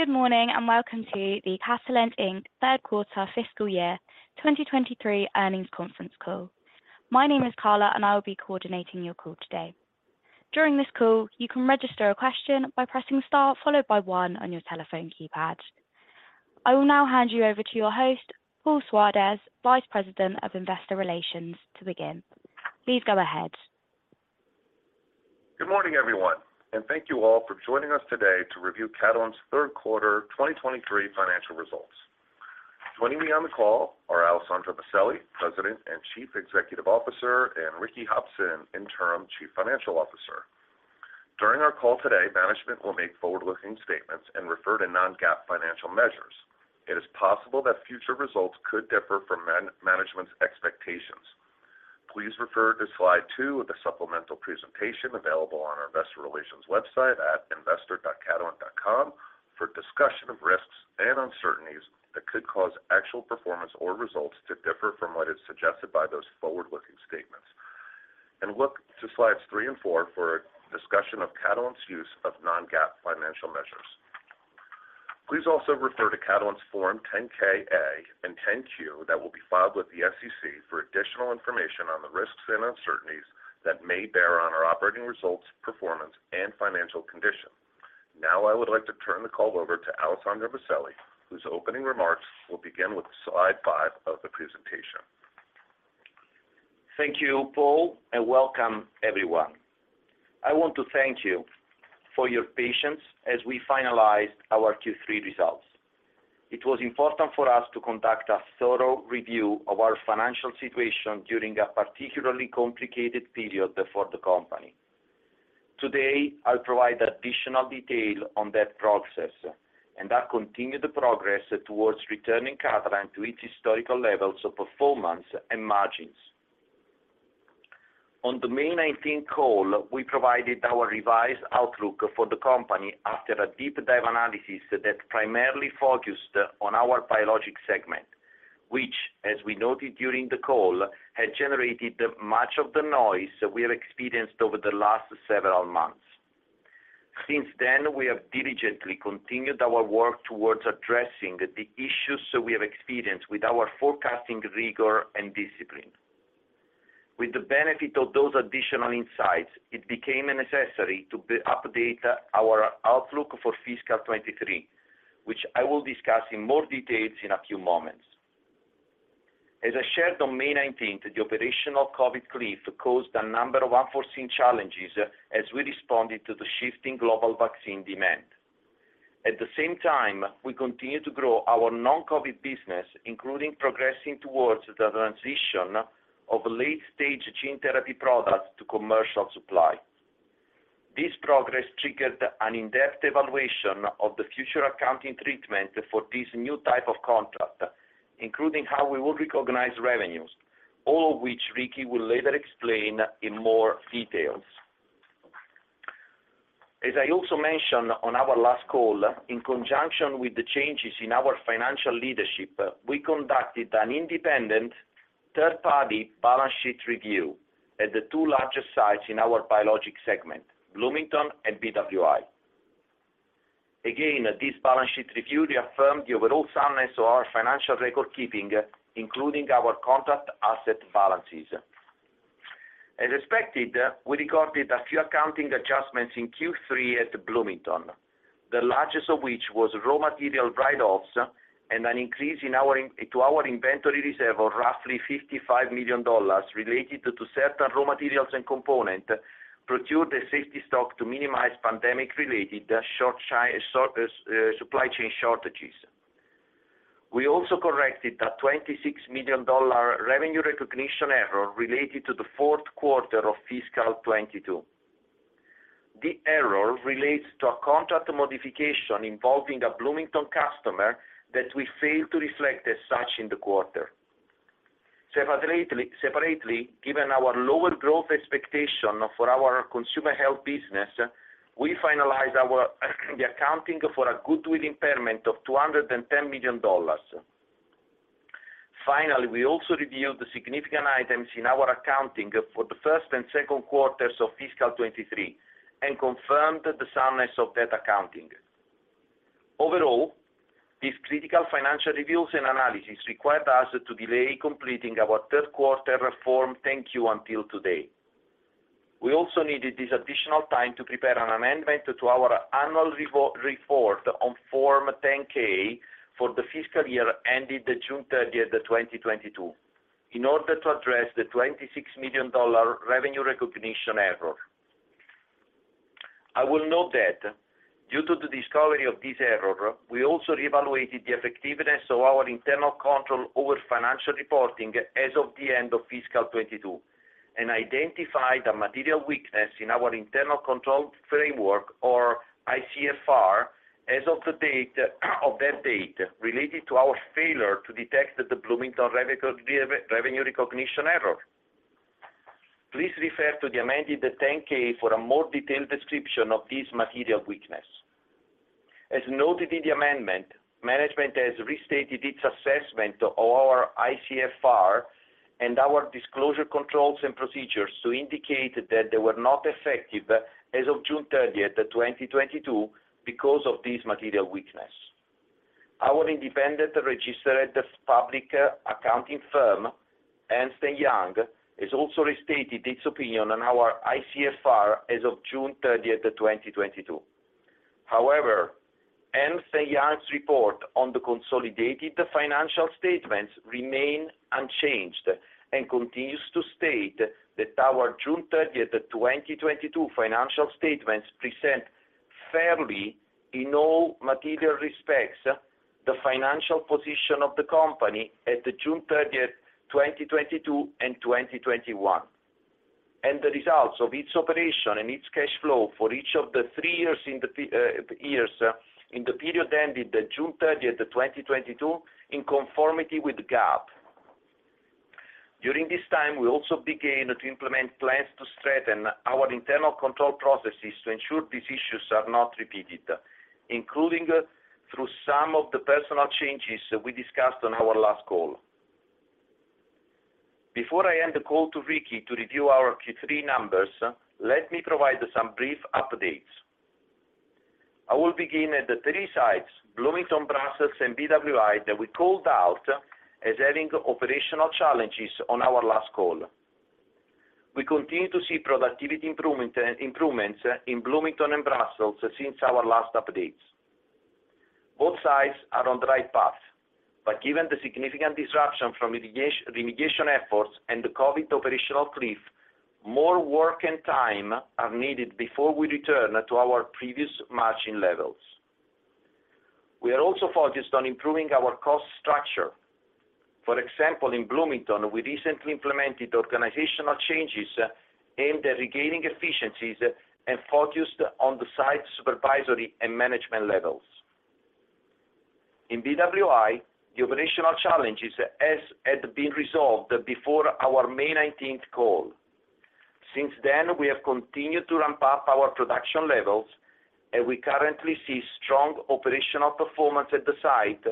Good morning, and welcome to the Catalent, Inc. third quarter fiscal year 2023 earnings conference call. My name is Carla, and I will be coordinating your call today. During this call, you can register a question by pressing Star followed by one on your telephone keypad. I will now hand you over to your host, Paul Surdez, Vice President of Investor Relations, to begin. Please go ahead. Good morning, everyone. Thank you all for joining us today to review Catalent's third quarter 2023 financial results. Joining me on the call are Alessandro Maselli, President and Chief Executive Officer, and Ricky Hopson, Interim Chief Financial Officer. During our call today, management will make forward-looking statements and refer to non-GAAP financial measures. It is possible that future results could differ from management's expectations. Please refer to slide two of the supplemental presentation available on our investor relations website at investor.catalent.com for discussion of risks and uncertainties that could cause actual performance or results to differ from what is suggested by those forward-looking statements. Look to slides three and four for a discussion of Catalent's use of non-GAAP financial measures. Please also refer to Catalent's Form 10-K/A and 10-Q that will be filed with the SEC for additional information on the risks and uncertainties that may bear on our operating results, performance, and financial condition. I would like to turn the call over to Alessandro Maselli, whose opening remarks will begin with slide five of the presentation. Thank you, Paul, and welcome, everyone. I want to thank you for your patience as we finalized our Q3 results. It was important for us to conduct a thorough review of our financial situation during a particularly complicated period for the company. Today, I'll provide additional detail on that process and our continued progress towards returning Catalent to its historical levels of performance and margins. On the May 19th call, we provided our revised outlook for the company after a deep dive analysis that primarily focused on our biologic segment, which, as we noted during the call, had generated much of the noise that we have experienced over the last several months. Since then, we have diligently continued our work towards addressing the issues that we have experienced with our forecasting rigor and discipline. With the benefit of those additional insights, it became a necessary to update our outlook for fiscal 2023, which I will discuss in more details in a few moments. As I shared on May 19th, the operational COVID cliff caused a number of unforeseen challenges as we responded to the shifting global vaccine demand. At the same time, we continued to grow our non-COVID business, including progressing towards the transition of late-stage gene therapy products to commercial supply. This progress triggered an in-depth evaluation of the future accounting treatment for this new type of contract, including how we will recognize revenues, all of which Ricky will later explain in more details. As I also mentioned on our last call, in conjunction with the changes in our financial leadership, we conducted an independent third-party balance sheet review at the two largest sites in our biologic segment, Bloomington and BWI. Again, this balance sheet review reaffirmed the overall soundness of our financial record-keeping, including our contract asset balances. As expected, we recorded a few accounting adjustments in Q3 at Bloomington, the largest of which was raw material write-offs and an increase to our inventory reserve of roughly $55 million related to certain raw materials and component, procured a safety stock to minimize pandemic-related, short shy, supply chain shortages. We also corrected a $26 million revenue recognition error related to the fourth quarter of fiscal 2022. The error relates to a contract modification involving a Bloomington customer that we failed to reflect as such in the quarter. Separately, given our lower growth expectation for our consumer health business, we finalized the accounting for a goodwill impairment of $210 million. We also reviewed the significant items in our accounting for the first and second quarters of fiscal 2023 and confirmed the soundness of that accounting. These critical financial reviews and analysis required us to delay completing our third quarter Form 10-Q until today. We also needed this additional time to prepare an amendment to our annual report on Form 10-K for the fiscal year ending June 30, 2022, in order to address the $26 million revenue recognition error. I will note that due to the discovery of this error, we also reevaluated the effectiveness of our internal control over financial reporting as of the end of fiscal 2022, and identified a material weakness in our internal control framework, or ICFR, as of that date, related to our failure to detect the Bloomington revenue recognition error. Please refer to the amended 10-K for a more detailed description of this material weakness. As noted in the amendment, management has restated its assessment of our ICFR and our disclosure controls and procedures to indicate that they were not effective as of June 30, 2022, because of this material weakness. Our independent registered public accounting firm, Ernst & Young, has also restated its opinion on our ICFR as of June 30, 2022. Ernst & Young's report on the consolidated financial statements remain unchanged, and continues to state that our June 30th, 2022 financial statements present fairly, in all material respects, the financial position of the company at the June 30th, 2022, and 2021, and the results of its operation and its cash flow for each of the three years in the period ending the June 30th, 2022, in conformity with GAAP. During this time, we also began to implement plans to strengthen our internal control processes to ensure these issues are not repeated, including through some of the personal changes we discussed on our last call. Before I hand the call to Ricky to review our Q3 numbers, let me provide some brief updates. I will begin at the three sites, Bloomington, Brussels, and BWI, that we called out as having operational challenges on our last call. We continue to see productivity improvements in Bloomington and Brussels since our last updates. Both sites are on the right path, but given the significant disruption from mitigation, the mitigation efforts and the COVID operational cliff, more work and time are needed before we return to our previous margin levels. We are also focused on improving our cost structure. For example, in Bloomington, we recently implemented organizational changes aimed at regaining efficiencies and focused on the site supervisory and management levels. In BWI, the operational challenges as had been resolved before our May 19th call. Since then, we have continued to ramp up our production levels, and we currently see strong operational performance at the site,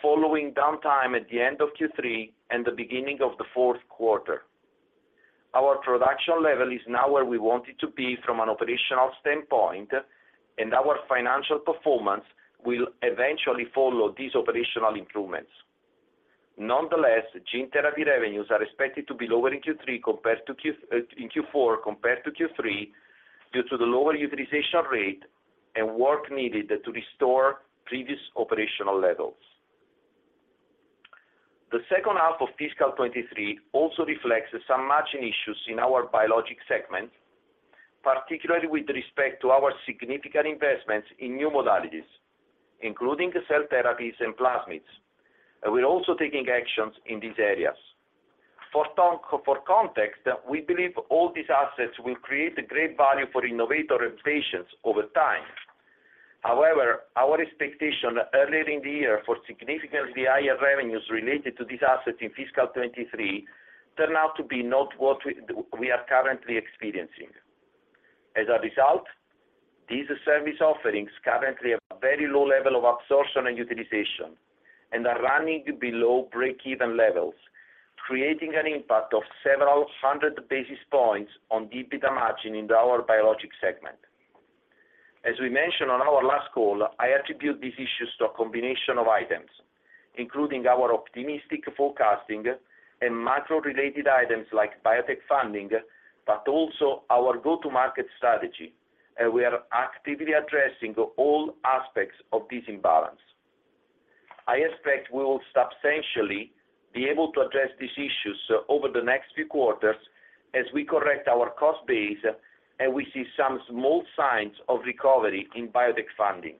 following downtime at the end of Q3 and the beginning of the fourth quarter. Our production level is now where we want it to be from an operational standpoint, and our financial performance will eventually follow these operational improvements. Nonetheless, gene therapy revenues are expected to be lower in Q3 compared to in Q4 compared to Q3, due to the lower utilization rate and work needed to restore previous operational levels. The second half of fiscal 2023 also reflects some margin issues in our biologics segment, particularly with respect to our significant investments in new modalities, including cell therapies and plasmids. We're also taking actions in these areas. For context, we believe all these assets will create great value for innovators and patients over time. However, our expectation earlier in the year for significantly higher revenues related to this asset in fiscal 2023 turned out to be not what we are currently experiencing. As a result, these service offerings currently have a very low level of absorption and utilization and are running below break-even levels, creating an impact of several hundred basis points on EBITDA margin in our Biologics segment. As we mentioned on our last call, I attribute these issues to a combination of items, including our optimistic forecasting and macro-related items like biotech funding, but also our go-to-market strategy, and we are actively addressing all aspects of this imbalance. I expect we will substantially be able to address these issues over the next few quarters as we correct our cost base, and we see some small signs of recovery in biotech funding.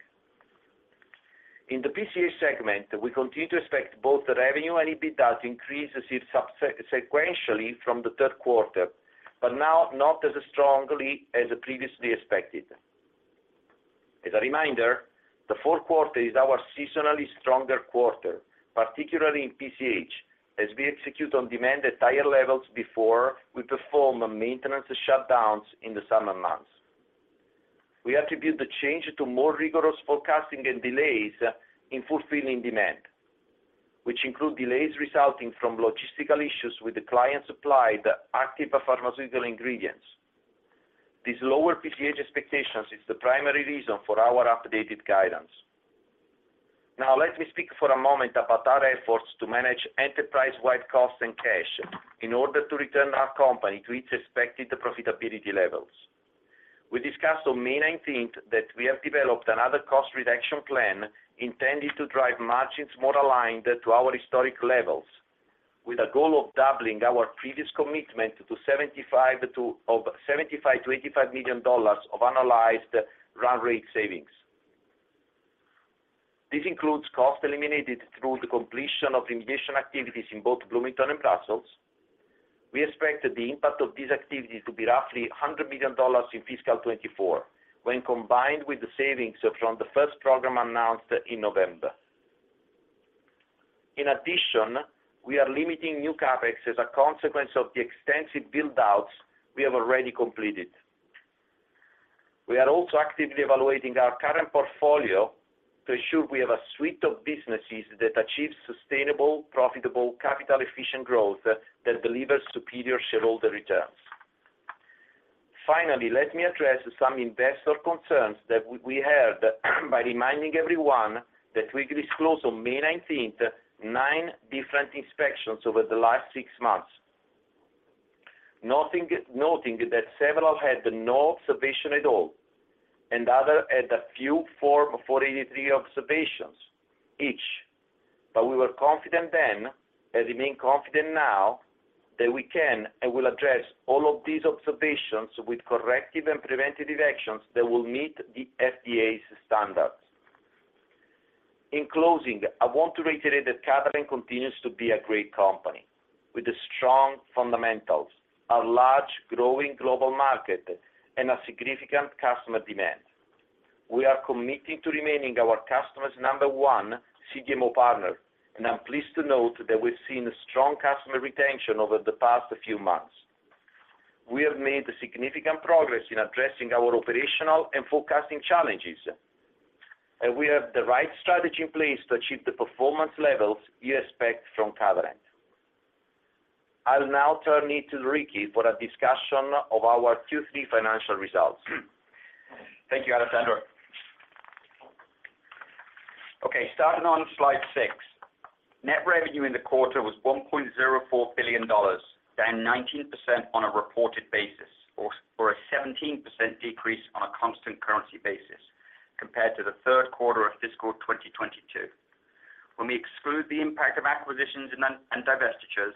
In the PCH segment, we continue to expect both revenue and EBITDA to increase sequentially from the third quarter, but now not as strongly as previously expected. As a reminder, the fourth quarter is our seasonally stronger quarter, particularly in PCH, as we execute on demand at higher levels before we perform maintenance shutdowns in the summer months. We attribute the change to more rigorous forecasting and delays in fulfilling demand, which include delays resulting from logistical issues with the client-supplied active pharmaceutical ingredients. These lower PCH expectations is the primary reason for our updated guidance. Now, let me speak for a moment about our efforts to manage enterprise-wide costs and cash in order to return our company to its expected profitability levels. We discussed on May 19th, that we have developed another cost reduction plan intended to drive margins more aligned to our historic levels, with a goal of doubling our previous commitment of $75 million-$85 million of analyzed run rate savings. This includes costs eliminated through the completion of inefficient activities in both Bloomington and Brussels. We expect the impact of these activities to be roughly $100 million in fiscal 2024, when combined with the savings from the first program announced in November. In addition, we are limiting new CapEx as a consequence of the extensive build-outs we have already completed. We are also actively evaluating our current portfolio to ensure we have a suite of businesses that achieve sustainable, profitable, capital-efficient growth that delivers superior shareholder returns. Finally, let me address some investor concerns that we had by reminding everyone that we disclosed on May 19th, nine different inspections over the last six months. Noting that several had no observation at all, and other had a few Form 483 observations each. We were confident then, and remain confident now, that we can and will address all of these observations with corrective and preventative actions that will meet the FDA's standards. In closing, I want to reiterate that Catalent continues to be a great company with strong fundamentals, a large, growing global market, and a significant customer demand. We are committing to remaining our customers' number one CDMO partner, and I'm pleased to note that we've seen strong customer retention over the past few months. We have made significant progress in addressing our operational and forecasting challenges, we have the right strategy in place to achieve the performance levels you expect from Catalent. I'll now turn it to Ricky for a discussion of our Q3 financial results. Thank you, Alessandro. Okay, starting on slide six. Net revenue in the quarter was $1.04 billion, down 19% on a reported basis, or a 17% decrease on a constant currency basis compared to the third quarter of fiscal 2022. When we exclude the impact of acquisitions and divestitures,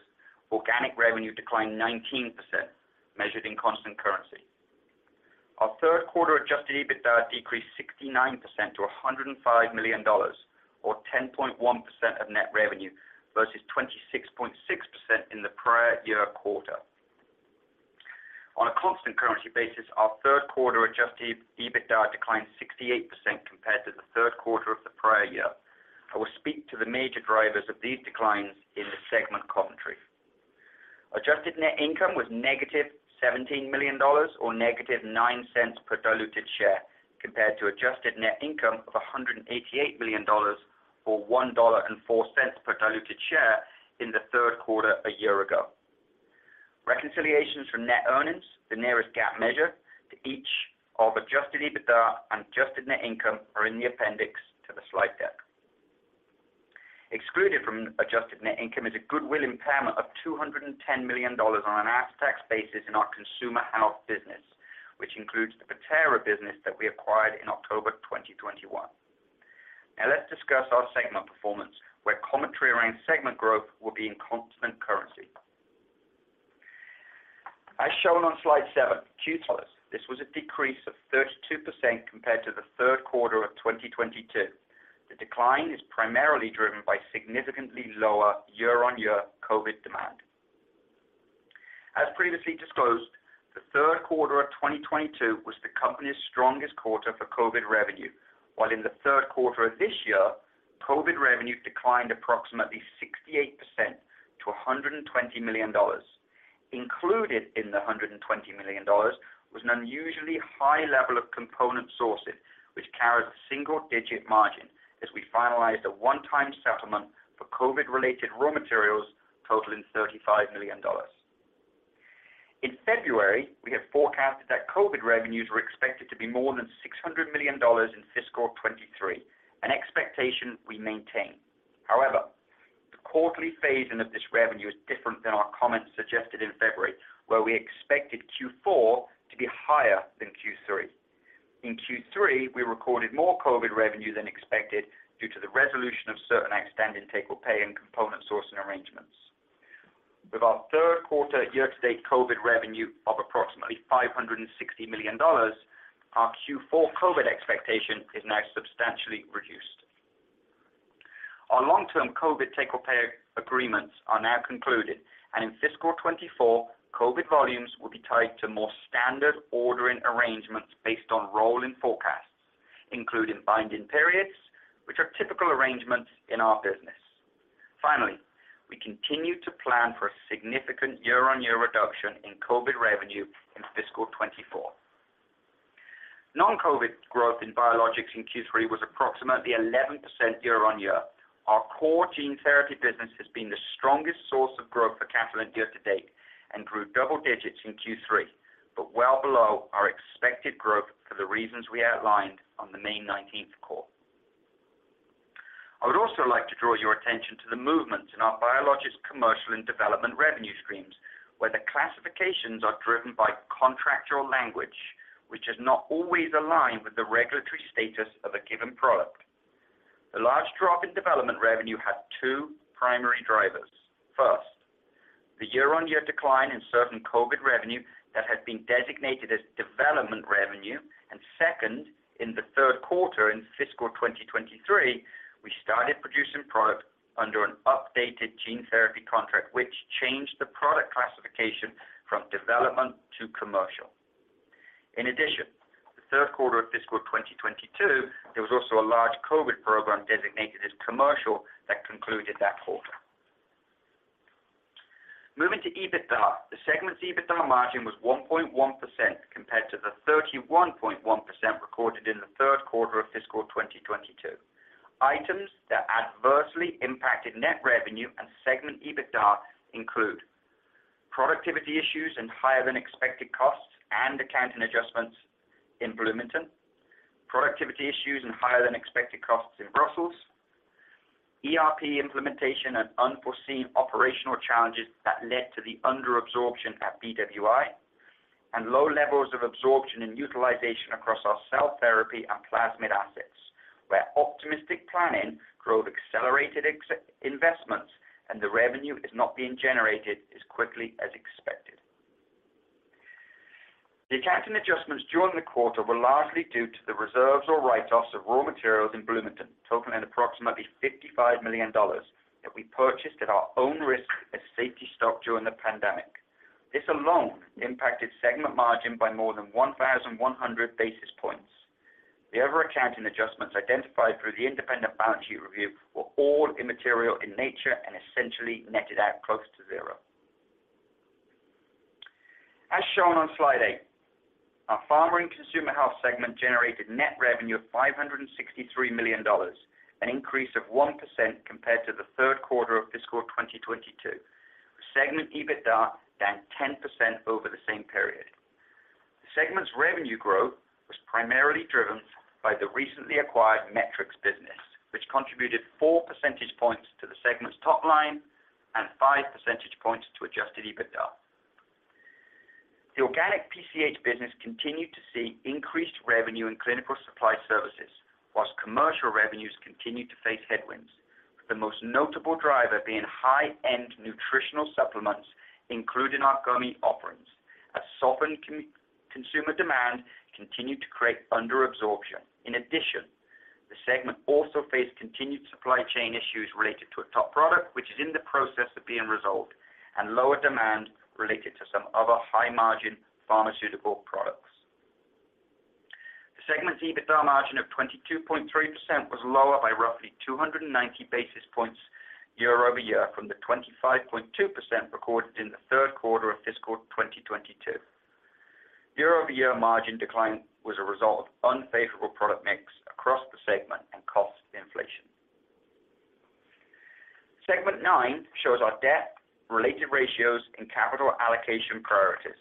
organic revenue declined 19%, measured in constant currency. Our third quarter adjusted EBITDA decreased 69% to $105 million, or 10.1% of net revenue, versus 26.6% in the prior year quarter. On a constant currency basis, our third quarter adjusted EBITDA declined 68% compared to the third quarter of the prior year. I will speak to the major drivers of these declines in the segment commentary. Adjusted net income was negative $17 million or negative $0.09 per diluted share, compared to adjusted net income of $188 million, or $1.04 per diluted share in the third quarter a year ago. Reconciliations from net earnings, the nearest GAAP measure, to each of adjusted EBITDA and adjusted net income, are in the appendix to the slide deck. Excluded from adjusted net income is a goodwill impairment of $210 million on an after-tax basis in our consumer health business, which includes the Bettera business that we acquired in October 2021. Let's discuss our segment performance, where commentary around segment growth will be in constant currency. As shown on slide seven, this was a decrease of 32% compared to the third quarter of 2022. The decline is primarily driven by significantly lower year-on-year COVID demand. As previously disclosed, the third quarter of 2022 was the company's strongest quarter for COVID revenue, while in the third quarter of this year, COVID revenue declined approximately 68% to $120 million. Included in the $120 million was an unusually high level of component sourcing, which carried a single-digit margin as we finalized a one-time settlement for COVID-related raw materials, totaling $35 million. In February, we had forecasted that COVID revenues were expected to be more than $600 million in fiscal 2023, an expectation we maintain. However, the quarterly phasing of this revenue is different than our comments suggested in February, where we expected Q4 to be higher than Q3. In Q3, we recorded more COVID revenue than expected due to the resolution of certain extended take or pay and component sourcing arrangements. With our third quarter year-to-date COVID revenue of approximately $560 million, our Q4 COVID expectation is now substantially reduced. Our long-term COVID take or pay agreements are now concluded. In fiscal 2024, COVID volumes will be tied to more standard ordering arrangements based on rolling forecasts, including binding periods, which are typical arrangements in our business. Finally, we continue to plan for a significant year-on-year reduction in COVID revenue in fiscal 2024. Non-COVID growth in biologics in Q3 was approximately 11% year-on-year. Our core gene therapy business has been the strongest source of growth for Catalent year to date and grew double digits in Q3, well below our expected growth for the reasons we outlined on the May 19th call. I would also like to draw your attention to the movements in our biologics, commercial, and development revenue streams, where the classifications are driven by contractual language, which is not always aligned with the regulatory status of a given product. The large drop in development revenue had two primary drivers. First, the year-on-year decline in certain COVID revenue that had been designated as development revenue. Second, in the third quarter in fiscal 2023, we started producing product under an updated gene therapy contract, which changed the product classification from development to commercial. In addition, the third quarter of fiscal 2022, there was also a large COVID program designated as commercial that concluded that quarter. Moving to EBITDA. The segment's EBITDA margin was 1.1%, compared to the 31.1% recorded in the third quarter of fiscal 2022. Items that adversely impacted net revenue and segment EBITDA include: productivity issues and higher-than-expected costs and accounting adjustments in Bloomington, productivity issues and higher-than-expected costs in Brussels, ERP implementation and unforeseen operational challenges that led to the under-absorption at BWI, and low levels of absorption and utilization across our cell therapy and plasmid assets, where optimistic planning drove accelerated ex- investments, and the revenue is not being generated as quickly as expected. The accounting adjustments during the quarter were largely due to the reserves or write-offs of raw materials in Bloomington, totaling approximately $55 million, that we purchased at our own risk as safety stock during the pandemic. This alone impacted segment margin by more than 1,100 basis points. The other accounting adjustments identified through the independent balance sheet review were all immaterial in nature and essentially netted out close to zero. As shown on slide eight, our Pharma and Consumer Health segment generated net revenue of $563 million, an increase of 1% compared to the third quarter of fiscal 2022, with segment EBITDA down 10% over the same period. The segment's revenue growth was primarily driven by the recently acquired Metrics business, which contributed 4 percentage points to the segment's top line and 5 percentage points to adjusted EBITDA. The organic PCH business continued to see increased revenue in clinical supply services, whilst commercial revenues continued to face headwinds, with the most notable driver being high-end nutritional supplements, including our gummy offerings, as softening consumer demand continued to create under-absorption. In addition, the segment also faced continued supply chain issues related to a top product, which is in the process of being resolved, and lower demand related to some other high-margin pharmaceutical products. The segment's EBITDA margin of 22.3% was lower by roughly 290 basis points year-over-year from the 25.2% recorded in the third quarter of fiscal 2022. Year-over-year margin decline was a result of unfavorable product mix across the segment and cost inflation. Segment nine shows our debt, related ratios, and capital allocation priorities.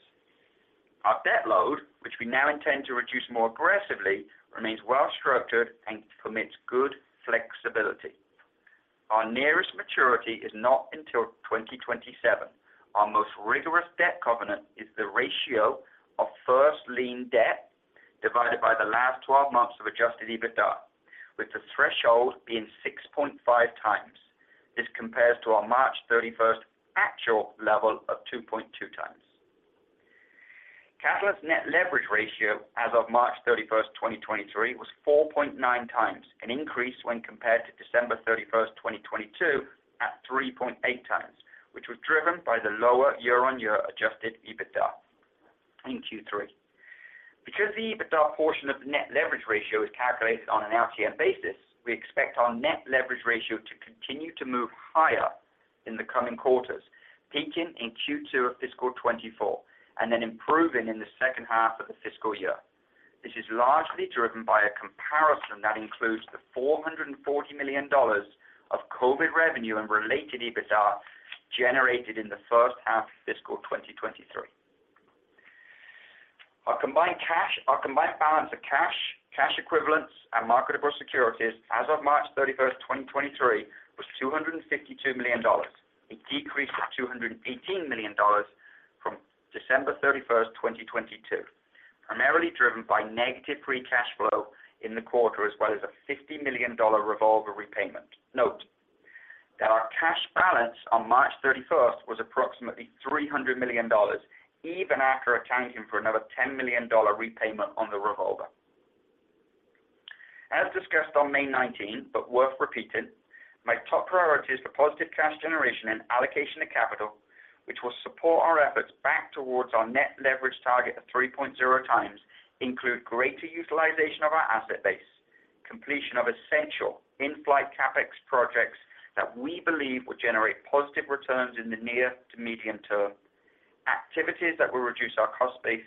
Our debt load, which we now intend to reduce more aggressively, remains well-structured and permits good flexibility. Our nearest maturity is not until 2027. Our most rigorous debt covenant is the ratio of first lien debt divided by the last twelve months of adjusted EBITDA, with the threshold being 6.5x. This compares to our March 31st actual level of 2.2x. Catalent net leverage ratio as of March 31st, 2023, was 4.9x, an increase when compared to December 31st, 2022, at 3.8x, which was driven by the lower year-on-year adjusted EBITDA in Q3. The EBITDA portion of the net leverage ratio is calculated on an LTM basis, we expect our net leverage ratio to continue to move higher in the coming quarters, peaking in Q2 of fiscal 2024, and then improving in the second half of the fiscal year. This is largely driven by a comparison that includes the $440 million of COVID revenue and related EBITDA generated in the first half of fiscal 2023. Our combined balance of cash equivalents, and marketable securities as of March 31st, 2023, was $252 million, a decrease of $218 million from December 31st, 2022, primarily driven by negative free cash flow in the quarter, as well as a $50 million revolver repayment. Note that our cash balance on March 31st was approximately $300 million, even after accounting for another $10 million repayment on the revolver. As discussed on May 19, worth repeating, my top priority is the positive cash generation and allocation of capital, which will support our efforts back towards our net leverage target of 3.0x, include greater utilization of our asset base, completion of essential in-flight CapEx projects that we believe will generate positive returns in the near to medium term, activities that will reduce our cost base,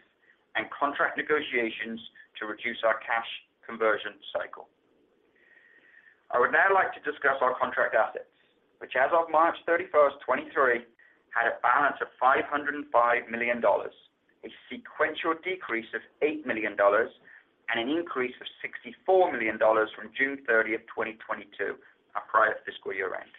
and contract negotiations to reduce our cash conversion cycle. I would now like to discuss our contract assets, which, as of March 31st, 2023, had a balance of $505 million, a sequential decrease of $8 million and an increase of $64 million from June 30th, 2022, our prior fiscal year end.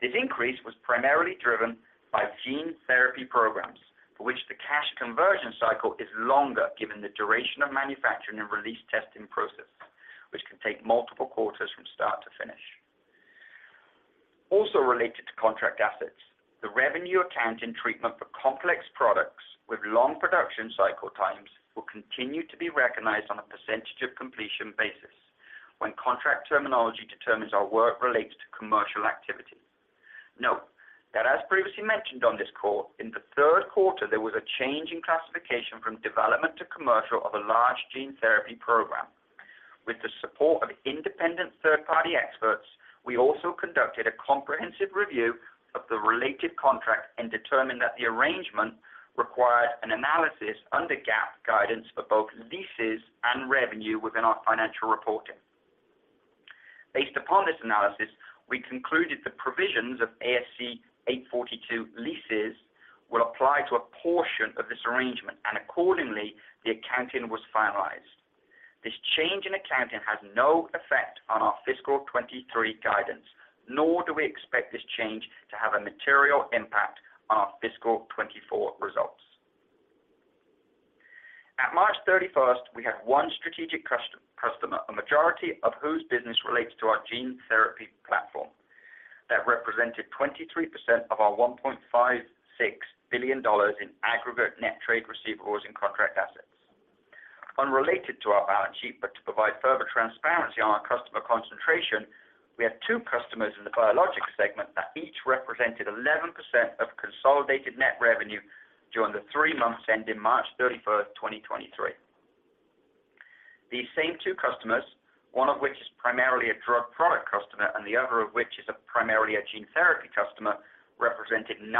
This increase was primarily driven by gene therapy programs, for which the cash conversion cycle is longer, given the duration of manufacturing and release testing process, which can take multiple quarters from start to finish. Related to contract assets, the revenue accounting treatment for complex products with long production cycle times will continue to be recognized on a percentage of completion basis when contract terminology determines our work relates to commercial activity. Note that as previously mentioned on this call, in the third quarter, there was a change in classification from development to commercial of a large gene therapy program. With the support of independent third-party experts, we also conducted a comprehensive review of the related contract and determined that the arrangement required an analysis under GAAP guidance for both leases and revenue within our financial reporting. Based upon this analysis, we concluded the provisions of ASC 842 leases will apply to a portion of this arrangement. Accordingly, the accounting was finalized. This change in accounting has no effect on our fiscal 2023 guidance, nor do we expect this change to have a material impact on our fiscal 2024 results. At March 31st, we had one strategic customer, a majority of whose business relates to our gene therapy platform, that represented 23% of our $1.56 billion in aggregate net trade receivables and contract assets. Unrelated to our balance sheet, to provide further transparency on our customer concentration, we have two customers in the Biologics segment that each represented 11% of consolidated net revenue during the three months ending March 31st, 2023. These same two customers, one of which is primarily a drug product customer and the other of which is primarily a gene therapy customer, represented 9%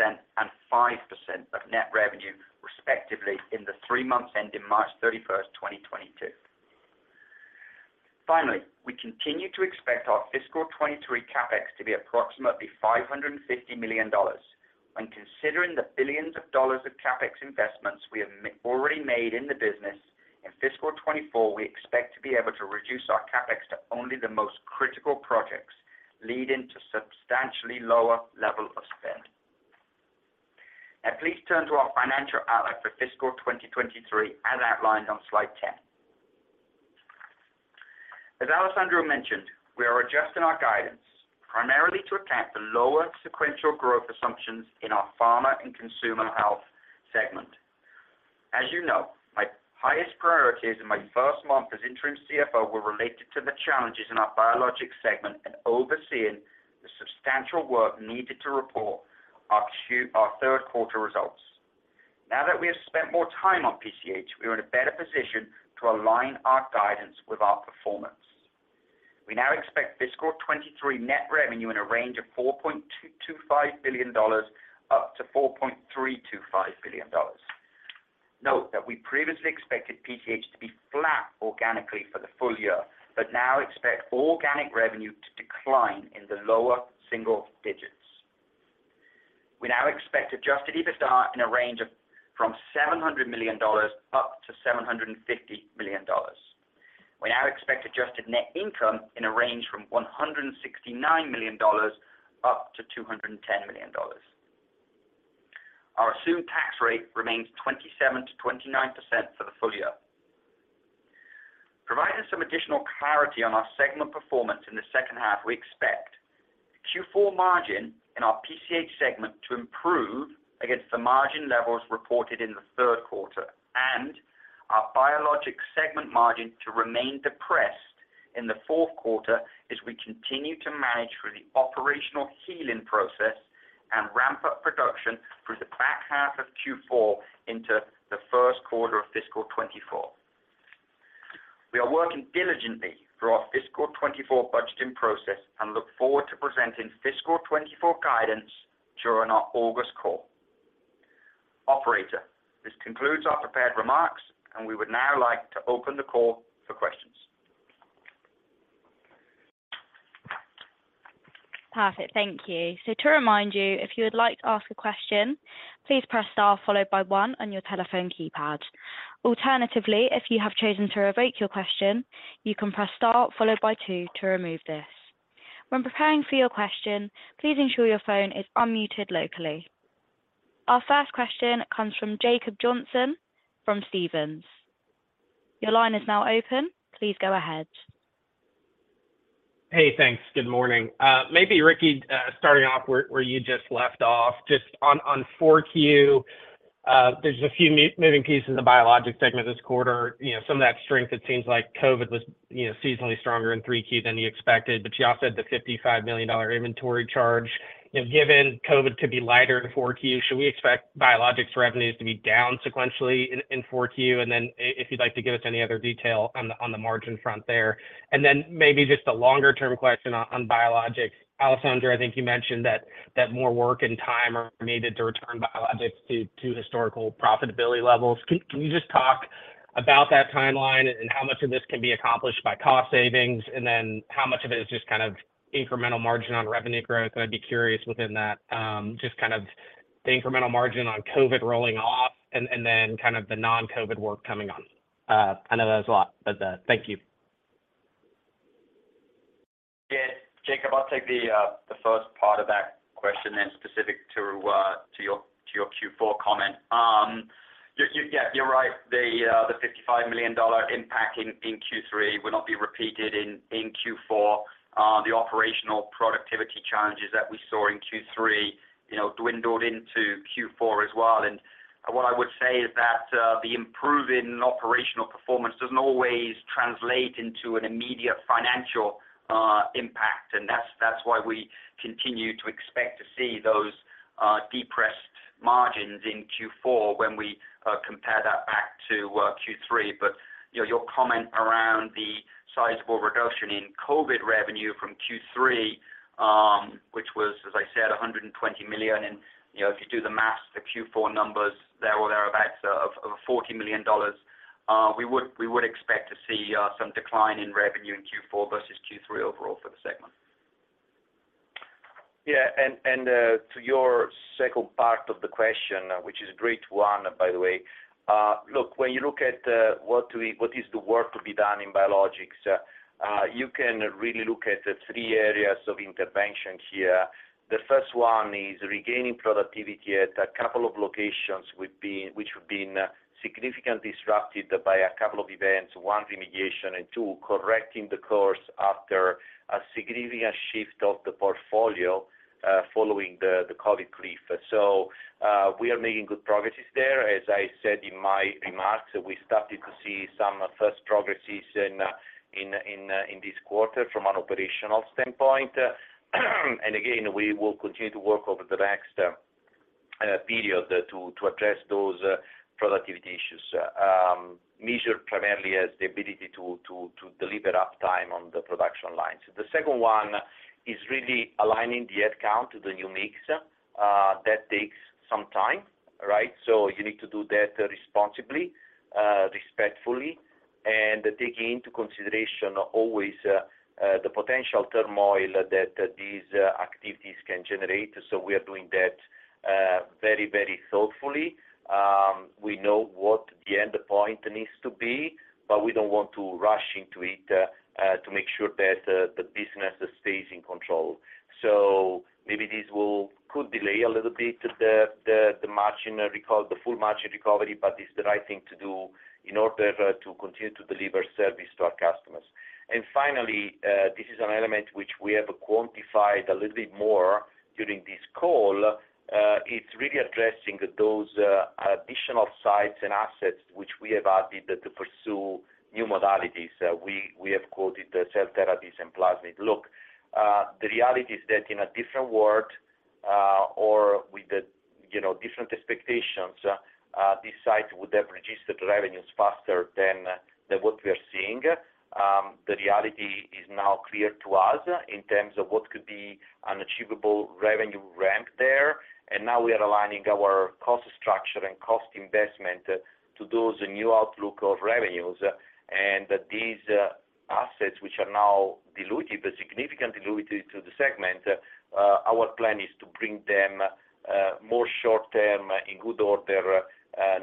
and 5% of net revenue, respectively, in the three months ending March 31st, 2022. We continue to expect our fiscal 2023 CapEx to be approximately $550 million. When considering the billions of dollars of CapEx investments we have already made in the business, in fiscal 2024, we expect to be able to reduce our CapEx to only the most critical projects, leading to substantially lower level of spend. Please turn to our financial outlook for fiscal 2023, as outlined on slide 10. As Alessandro mentioned, we are adjusting our guidance primarily to account for lower sequential growth assumptions in our Pharma and Consumer Health segment. As you know, my highest priorities in my first month as interim CFO were related to the challenges in our Biologics segment and overseeing the substantial work needed to report our third quarter results. Now that we have spent more time on PCH, we are in a better position to align our guidance with our performance. We now expect fiscal 2023 net revenue in a range of $4.225 billion-$4.325 billion. Note that we previously expected PCH to be flat organically for the full year, but now expect organic revenue to decline in the lower single digits. We now expect adjusted EBITDA in a range of $700 million-$750 million. We now expect adjusted net income in a range from $169 million up to $210 million. Our assumed tax rate remains 27%-29% for the full year. Providing some additional clarity on our segment performance in the second half, we expect Q4 margin in our PCH segment to improve against the margin levels reported in the third quarter, and our Biologics segment margin to remain depressed in the fourth quarter as we continue to manage through the operational healing process and ramp up production through the back half of Q4 into the first quarter of fiscal 2024. We are working diligently through our fiscal 2024 budgeting process and look forward to presenting fiscal 2024 guidance during our August call. Operator, this concludes our prepared remarks, and we would now like to open the call for questions. Perfect. Thank you. To remind you, if you would like to ask a question, please press star followed by one on your telephone keypad. Alternatively, if you have chosen to revoke your question, you can press star followed by two to remove this. When preparing for your question, please ensure your phone is unmuted locally. Our first question comes from Jacob Johnson, from Stephens. Your line is now open. Please go ahead. Hey, thanks. Good morning. Maybe, Ricky, starting off where you just left off, just on 4Q, there's a few moving pieces in the Biologics segment this quarter. You know, some of that strength, it seems like COVID was, you know, seasonally stronger in 3Q than you expected, but you also had the $55 million inventory charge. You know, given COVID could be lighter in 4Q, should we expect Biologics revenues to be down sequentially in 4Q? Then if you'd like to give us any other detail on the margin front there. Then maybe just a longer-term question on Biologics. Alessandro, I think you mentioned that more work and time are needed to return Biologics to historical profitability levels. Can you just talk about that timeline and how much of this can be accomplished by cost savings, and then how much of it is just kind of incremental margin on revenue growth? I'd be curious within that, just kind of the incremental margin on COVID rolling off and then kind of the non-COVID work coming on. I know that's a lot, but, thank you. Yeah, Jacob, I'll take the first part of that question then specific to your, to your Q4 comment. Yeah, you're right. The $55 million impact in Q3 will not be repeated in Q4. The operational productivity challenges that we saw in Q3, you know, dwindled into Q4 as well. What I would say is that the improving operational performance doesn't always translate into an immediate financial impact, and that's why we continue to expect to see those depressed margins in Q4 when we compare that back to Q3. You know, your comment around the sizable reduction in COVID revenue from Q3, which was, as I said, $120 million, and, you know, if you do the math, the Q4 numbers, there or thereabouts, of $40 million, we would expect to see some decline in revenue in Q4 versus Q3 overall for the segment. Yeah, to your second part of the question, which is a great one, by the way, look, when you look at, what is the work to be done in Biologics, you can really look at the three areas of intervention here. The first one is regaining productivity at a couple of locations, which have been significantly disrupted by a couple of events, one, remediation, and two, correcting the course after a significant shift of the portfolio, following the COVID cliff. We are making good progresses there. As I said in my remarks, we started to see some first progresses in this quarter from an operational standpoint. We will continue to work over the next period to address those productivity issues, measured primarily as the ability to deliver uptime on the production lines. The second one is really aligning the headcount to the new mix. That takes some time, right? You need to do that responsibly, respectfully, and taking into consideration always the potential turmoil that these activities can generate. We are doing that thoughtfully. We know what the endpoint needs to be, but we don't want to rush into it to make sure that the business stays in control. Maybe this could delay a little bit the margin recall, the full margin recovery, but it's the right thing to do in order to continue to deliver service to our customers. Finally, this is an element which we have quantified a little bit more during this call. It's really addressing those additional sites and assets which we have added to pursue new modalities. We have quoted the cell therapies and plasmid. Look, the reality is that in a different world, or with the, you know, different expectations, this site would have registered revenues faster than what we are seeing. The reality is now clear to us in terms of what could be an achievable revenue ramp there, now we are aligning our cost structure and cost investment to those new outlook of revenues. These assets, which are now diluted, but significantly diluted to the segment, our plan is to bring them more short term in good order,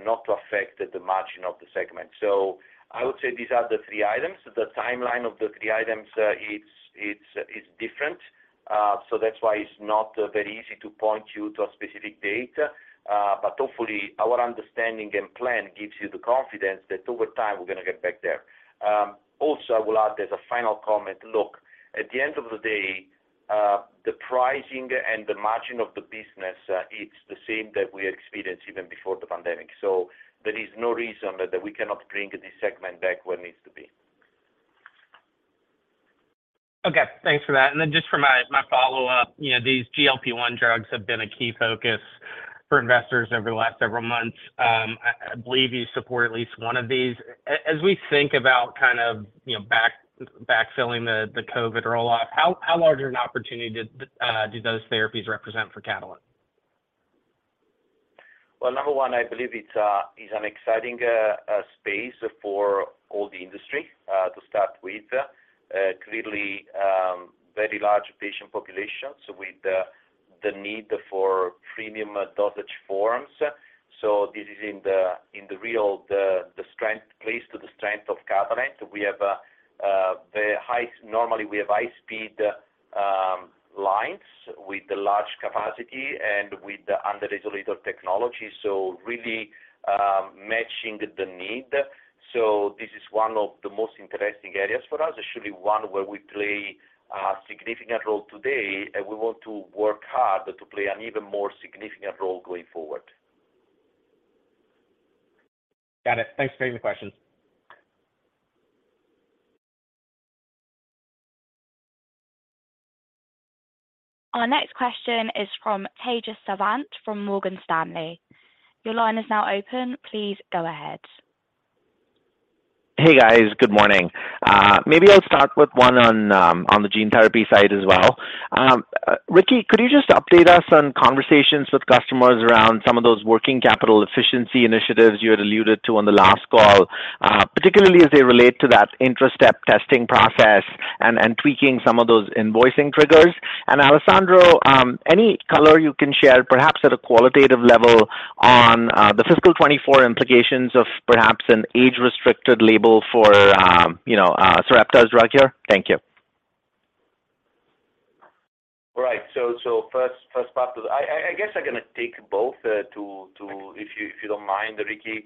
not to affect the margin of the segment. I would say these are the three items. The timeline of the three items, it's different, so that's why it's not very easy to point you to a specific date. Hopefully, our understanding and plan gives you the confidence that over time we're gonna get back there. Also, I will add as a final comment, look, at the end of the day, the pricing and the margin of the business, it's the same that we experienced even before the pandemic. There is no reason that we cannot bring this segment back where it needs to be. Okay, thanks for that. Then just for my follow-up, you know, these GLP-1 drugs have been a key focus for investors over the last several months. I believe you support at least one of these. As we think about kind of, you know, backfilling the COVID rollout, how large an opportunity did do those therapies represent for Catalent? number one, I believe it's an exciting space for all the industry to start with. Clearly, very large patient population, so with the need for premium dosage forms. This is in the real, the strength, place to the strength of Catalent. Normally, we have high speed lines with the large capacity and with the under regulatory technology, so really matching the need. This is one of the most interesting areas for us, actually, one where we play a significant role today, and we want to work hard to play an even more significant role going forward. Got it. Thanks for taking the question. Our next question is from Tejas Savant, from Morgan Stanley. Your line is now open. Please go ahead. Hey, guys. Good morning. maybe I'll start with one on the gene therapy side as well. Ricky, could you just update us on conversations with customers around some of those working capital efficiency initiatives you had alluded to on the last call, particularly as they relate to that intra-batch testing process and tweaking some of those invoicing triggers? Alessandro, any color you can share, perhaps at a qualitative level, on the fiscal 2024 implications of perhaps an age-restricted label for, you know, Sarepta's drug here? Thank you. First part, I guess I'm going to take both, to, if you don't mind, Ricky.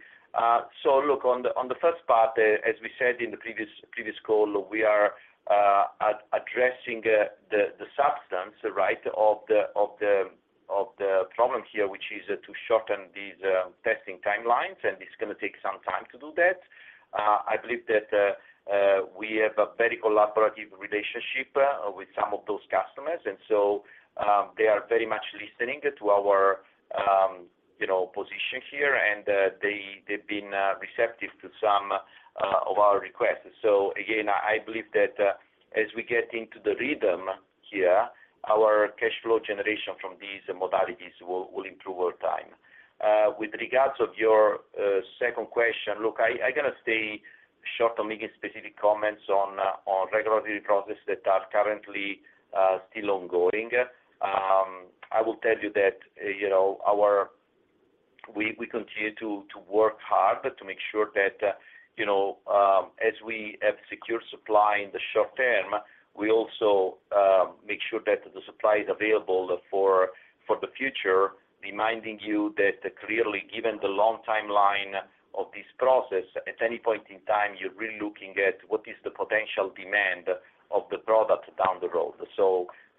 Look, on the first part, as we said in the previous call, we are addressing the substance, right, of the problem here, which is to shorten these testing timelines, and it's going to take some time to do that. I believe that, we have a very collaborative relationship, with some of those customers, they are very much listening to our, you know, position here, and, they've been receptive to some of our requests. Again, I believe that, as we get into the rhythm here, our cash flow generation from these modalities will improve over time. With regards of your second question, look, I gotta stay short on making specific comments on regulatory processes that are currently still ongoing. I will tell you that, you know, we continue to work hard to make sure that, you know, as we have secure supply in the short term, we also make sure that the supply is available for the future, reminding you that clearly, given the long timeline of this process, at any point in time, you're really looking at what is the potential demand of the product down the road.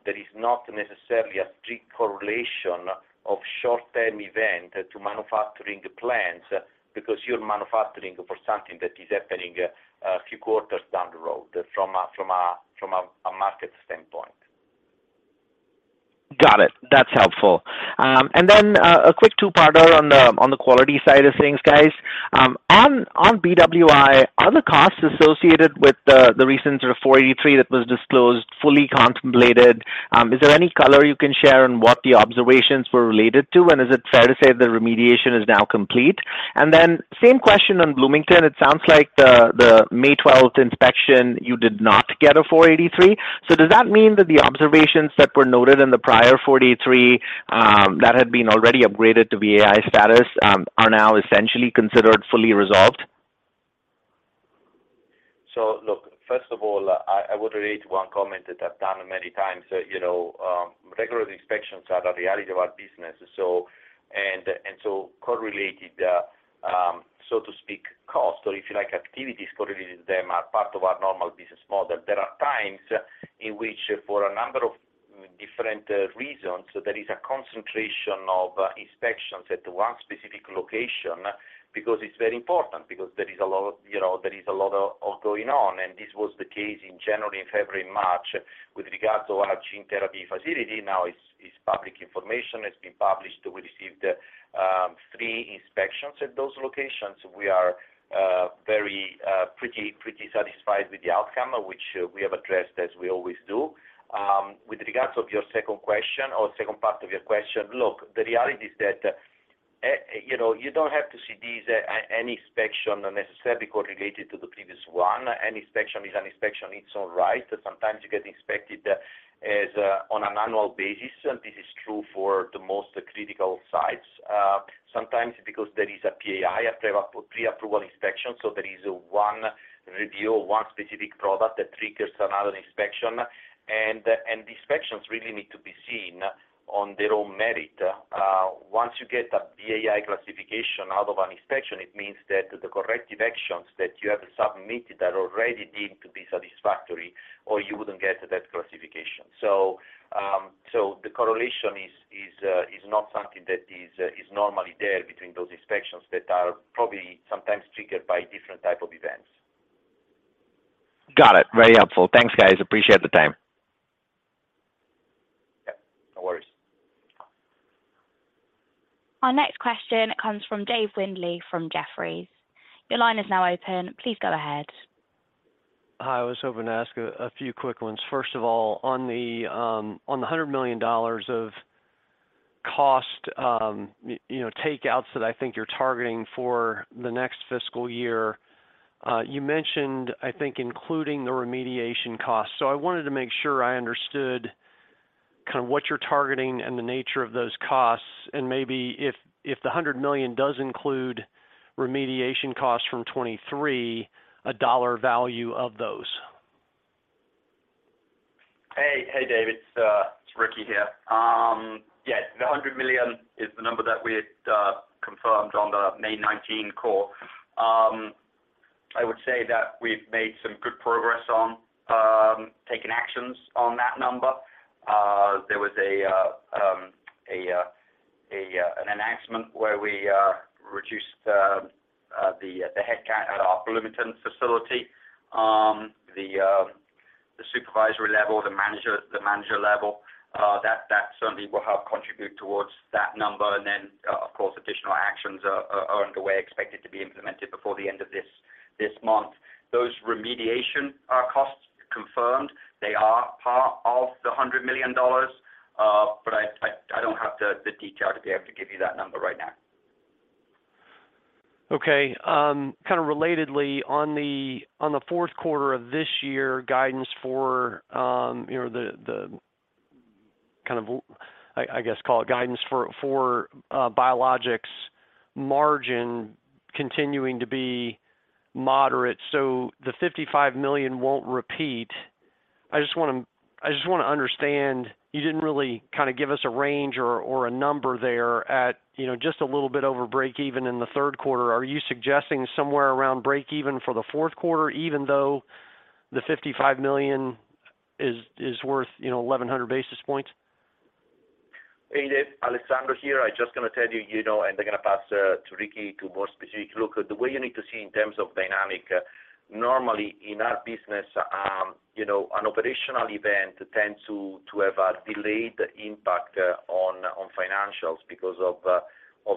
There is not necessarily a strict correlation of short-term event to manufacturing plans because you're manufacturing for something that is happening a few quarters down the road from a market standpoint. Got it. That's helpful. Then, a quick two-parter on the quality side of things, guys. On BWI, are the costs associated with the recent sort of Form 483 that was disclosed, fully contemplated? Is there any color you can share on what the observations were related to? Is it fair to say the remediation is now complete? Then same question on Bloomington. It sounds like the May twelfth inspection, you did not get a Form 483. Does that mean that the observations that were noted in the prior Form 483, that had been already upgraded to VAI status, are now essentially considered fully resolved? Look, first of all, I would relate one comment that I've done many times. You know, regular inspections are the reality of our business. Correlated, so to speak, cost, or if you like, activities, correlated them are part of our normal business model. There are times in which for a number of different reasons, there is a concentration of inspections at one specific location, because it's very important, because there is a lot of, you know, there is a lot of going on. This was the case in January, February, March, with regards to our gene therapy facility. Now, it's public information. It's been published. We received three inspections at those locations. We are very pretty satisfied with the outcome, which we have addressed, as we always do. With regards of your second question or second part of your question. Look, the reality is that, you know, you don't have to see these, any inspection necessarily correlated to the previous one. An inspection is an inspection in its own right. Sometimes you get inspected as on an annual basis, and this is true for the most critical sites. Sometimes because there is a PAI, a pre-approval inspection, so there is one review or one specific product that triggers another inspection. The inspections really need to be seen on their own merit. Once you get a VAI classification out of an inspection, it means that the corrective actions that you have submitted are already deemed to be satisfactory, or you wouldn't get that classification. The correlation is not something that is normally there between those inspections that are probably sometimes triggered by different type of events. Got it. Very helpful. Thanks, guys. Appreciate the time. Yeah, no worries. Our next question comes from Dave Windley, from Jefferies. Your line is now open. Please go ahead. Hi, I was hoping to ask a few quick ones. First of all, on the $100 million of cost, you know, takeouts that I think you're targeting for the next fiscal year, you mentioned, I think, including the remediation cost. I wanted to make sure I understood kind of what you're targeting and the nature of those costs, and maybe if the $100 million does include remediation costs from 2023, a dollar value of those. Hey, Dave, it's Ricky here. Yes, the $100 million is the number that we confirmed on the May 19 call. I would say that we've made some good progress on taking actions on that number. There was an announcement where we reduced the headcount at our Bloomington facility, the supervisory level, the manager level, that certainly will help contribute towards that number. Of course, additional actions are underway, expected to be implemented before the end of this month. Those remediation costs confirmed they are part of the $100 million, but I don't have the detail to be able to give you that number right now. Kind of relatedly, on the fourth quarter of this year, guidance for, you know, the kind of, I guess, call it guidance for biologics margin continuing to be moderate, so the $55 million won't repeat. I just wanna understand, you didn't really kind of give us a range or a number there at, you know, just a little bit over breakeven in the third quarter. Are you suggesting somewhere around breakeven for the fourth quarter, even though the $55 million is worth, you know, 1,100 basis points? Hey, Dave, Alessandro here. I'm just gonna tell you know, and I'm gonna pass to Ricky to more specific. Look, the way you need to see in terms of dynamic, normally in our business, you know, an operational event tends to have a delayed impact on financials because of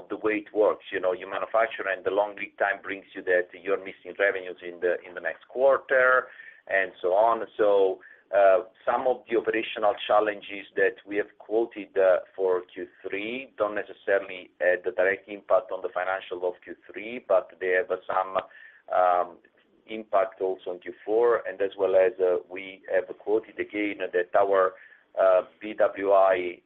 the way it works. You know, you manufacture, and the long lead time brings you that you're missing revenues in the next quarter and so on. Some of the operational challenges that we have quoted for Q3 don't necessarily have a direct impact on the financial of Q3, but they have some impact also on Q4. As well as, we have quoted again, that our BWI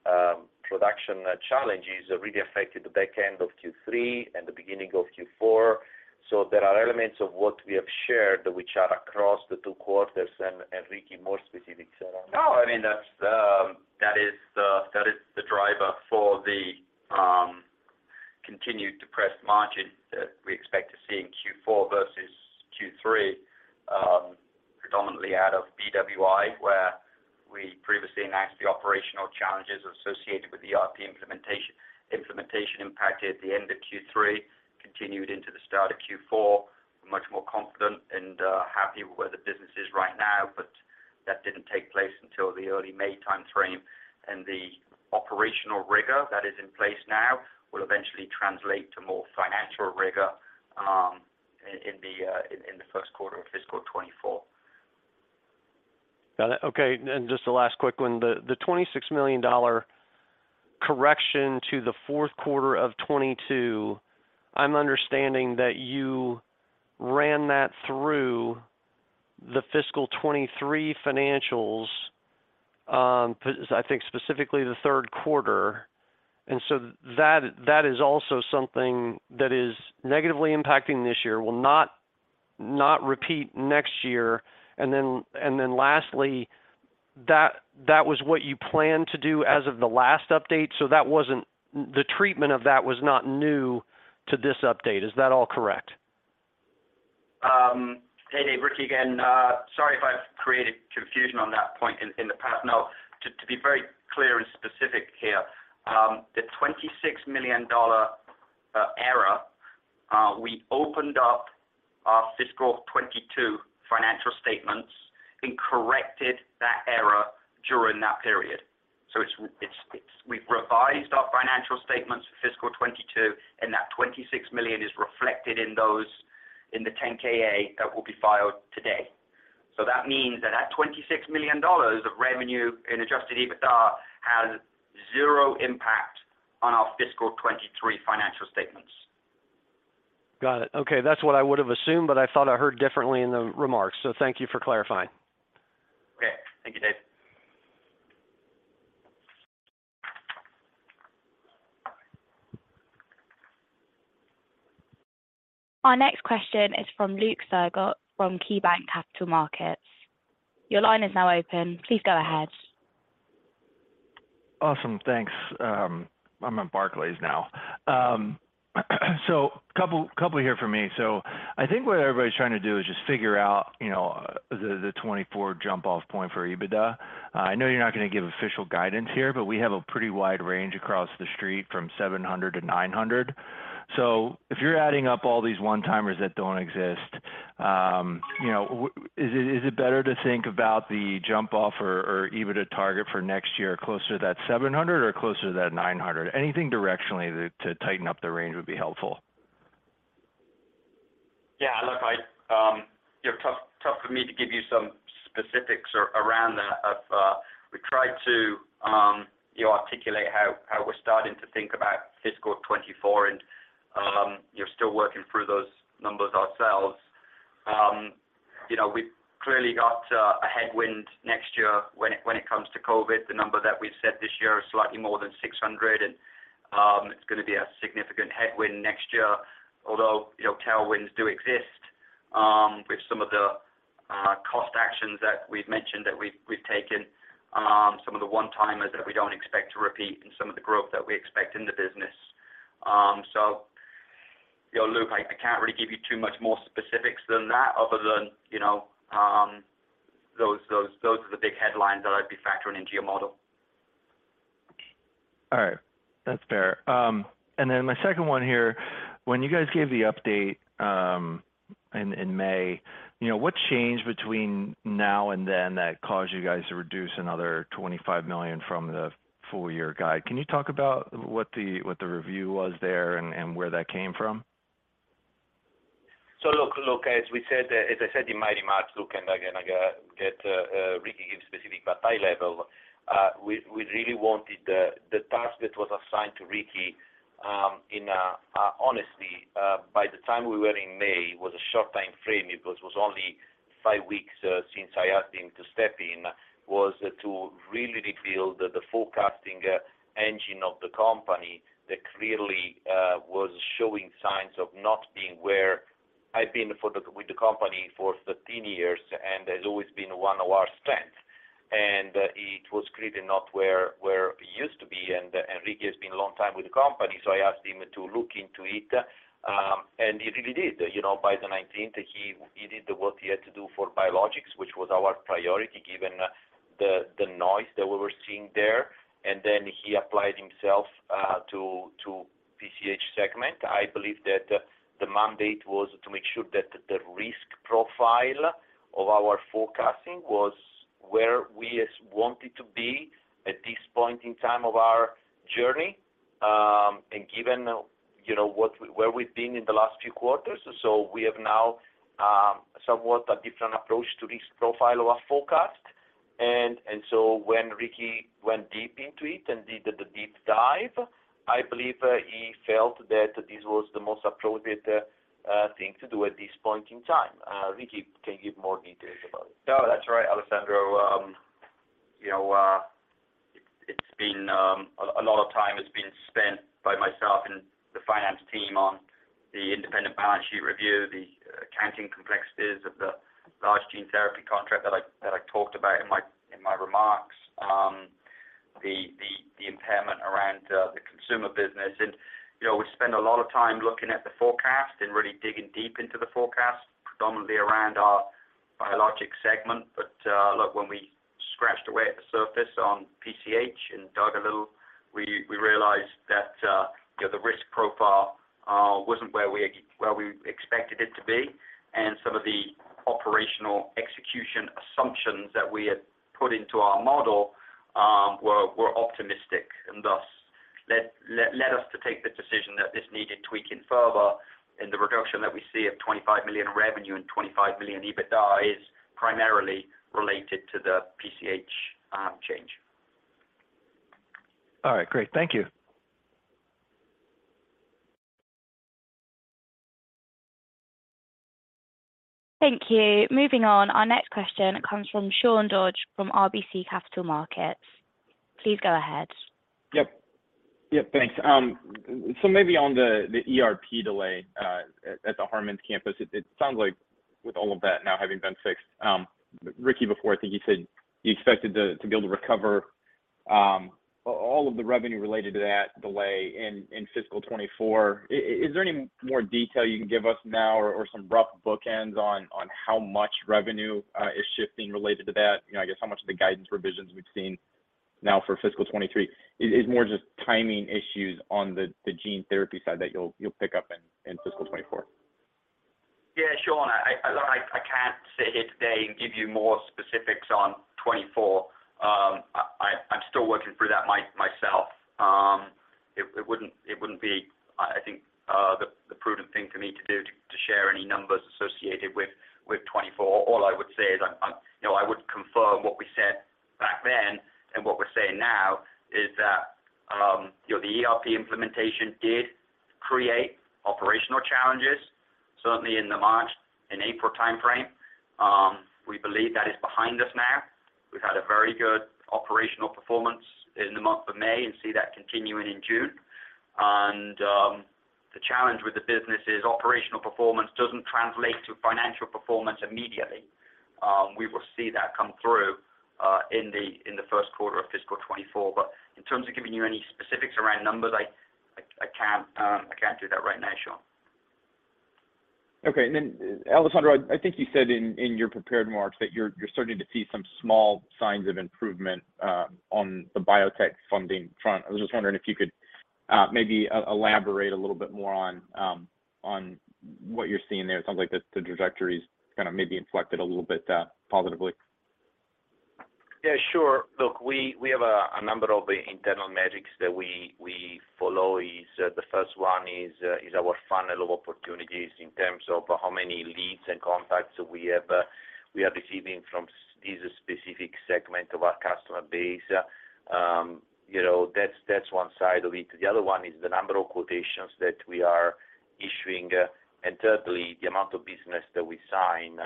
production challenges really affected the back end of Q3 and the beginning of Q4. There are elements of what we have shared, which are across the two quarters. Ricky, more specifics around that. No, I mean, that's, that is the driver for the continued depressed margin that we expect to see in Q4 versus Q3, predominantly out of BWI, where we previously announced the operational challenges associated with the ERP implementation. Implementation impacted the end of Q3, continued into the start of Q4. We're much more confident and happy with where the business is right now, but that didn't take place until the early May timeframe. The operational rigor that is in place now will eventually translate to more financial rigor in the first quarter of fiscal 2024. Got it. Okay, just the last quick one. The $26 million correction to the fourth quarter of 2022, I'm understanding that you ran that through the fiscal 2023 financials, I think specifically the third quarter. That is also something that is negatively impacting this year, will not repeat next year. Lastly, that was what you planned to do as of the last update, so that wasn't the treatment of that was not new to this update. Is that all correct? Hey, Dave, Ricky again. Sorry if I've created confusion on that point in the past. To be very clear and specific here, the $26 million error, we opened up our fiscal 2022 financial statements and corrected that error during that period. We've revised our financial statements for fiscal 2022, and that $26 million is reflected in those in the 10-K/A that will be filed today. That means that that $26 million of revenue in adjusted EBITDA has zero impact on our fiscal 2023 financial statements. Got it. Okay, that's what I would have assumed, but I thought I heard differently in the remarks, so thank you for clarifying. Okay. Thank you, Dave. Our next question is from Luke Sergott, from Barclays. Your line is now open. Please go ahead. Awesome. Thanks. I'm at Barclays now. Couple here for me. I think what everybody's trying to do is just figure out, you know, the 2024 jump-off point for EBITDA. I know you're not going to give official guidance here, but we have a pretty wide range across the street from $700-$900. If you're adding up all these one-timers that don't exist, you know, is it better to think about the jump-off or EBITDA target for next year closer to that $700 or closer to that $900? Anything directionally to tighten up the range would be helpful. Yeah, look, I, you know, tough for me to give you some specifics around that of. We tried to, you know, articulate how we're starting to think about fiscal 2024 and you're still working through those numbers ourselves. You know, we've clearly got a headwind next year when it comes to COVID. The number that we've set this year is slightly more than $600, and it's gonna be a significant headwind next year. Although, you know, tailwinds do exist with some of the cost actions that we've mentioned that we've taken, some of the one-timers that we don't expect to repeat and some of the growth that we expect in the business. You know, Luke, I can't really give you too much more specifics than that other than, you know, those are the big headlines that I'd be factoring into your model. All right. That's fair. My second one here, when you guys gave the update, in May, you know, what changed between now and then that caused you guys to reduce another $25 million from the full year guide? Can you talk about what the, what the review was there and where that came from? Look, as we said, as I said in my remarks, Luke, and again, I get Ricky give specific, but high level, we really wanted the task that was assigned to Ricky, in honestly, by the time we were in May, was a short time frame. It was only five weeks, since I asked him to step in, was to really rebuild the forecasting engine of the company that clearly was showing signs of not being where. I've been with the company for 13 years, and has always been one of our strengths. It was clearly not where it used to be, and Ricky has been a long time with the company, so I asked him to look into it, and he really did. You know, by the 19th, he did the work he had to do for Biologics, which was our priority, given the noise that we were seeing there. He applied himself to PCH segment. I believe that the mandate was to make sure that the risk profile of our forecasting was where we wanted to be at this point in time of our journey. Given, you know, where we've been in the last few quarters. We have now somewhat a different approach to risk profile of our forecast. When Ricky went deep into it and did the deep dive, I believe he felt that this was the most appropriate thing to do at this point in time. Ricky, can you give more details about it? No, that's right, Alessandro. You know, it's been a lot of time has been spent by myself and the finance team on the independent balance sheet review, the accounting complexities of the large gene therapy contract that I talked about in my remarks. The impairment around the consumer business. You know, we spend a lot of time looking at the forecast and really digging deep into the forecast, predominantly around our Biologic segment. Look, when we scratched away at the surface on PCH and dug a little, we realized that, you know, the risk profile wasn't where we expected it to be, and some of the operational execution assumptions that we had put into our model were optimistic, and thus, led us to take the decision that this needed tweaking further. The reduction that we see of $25 million in revenue and $25 million EBITDA is primarily related to the PCH change. All right, great. Thank you. Thank you. Moving on. Our next question comes from Sean Dodge, from RBC Capital Markets. Please go ahead. Yep. Yep, thanks. Maybe on the ERP delay at the Harmans campus, it sounds like with all of that now having been fixed, Ricky, before, I think you said you expected to be able to recover all of the revenue related to that delay in fiscal 2024. Is there any more detail you can give us now or some rough bookends on how much revenue is shifting related to that? You know, I guess how much of the guidance revisions we've seen now for fiscal 2023 is more just timing issues on the gene therapy side that you'll pick up in fiscal 2024? Sean, I can't sit here today and give you more specifics on 2024. I'm still working through that myself. It wouldn't, it wouldn't be, I think, the prudent thing for me to do, to share any numbers associated with 2024. All I would say is I'm you know, I would confirm what we said back then, and what we're saying now is that, you know, the ERP implementation did create operational challenges, certainly in the March and April timeframe. We believe that is behind us now. We've had a very good operational performance in the month of May and see that continuing in June. The challenge with the business is operational performance doesn't translate to financial performance immediately. We will see that come through, in the first quarter of fiscal 2024. In terms of giving you any specifics around numbers, I can't, I can't do that right now, Sean. Alessandro, I think you said in your prepared remarks that you're starting to see some small signs of improvement on the biotech funding front. I was just wondering if you could maybe elaborate a little bit more on what you're seeing there. It sounds like the trajectory is kind of maybe inflected a little bit positively. Yeah, sure. Look, we have a number of internal metrics that we follow, is the first one is our funnel of opportunities in terms of how many leads and contacts we have, we are receiving from this specific segment of our customer base. You know, that's one side of it. The other one is the number of quotations that we are issuing, and thirdly, the amount of business that we sign.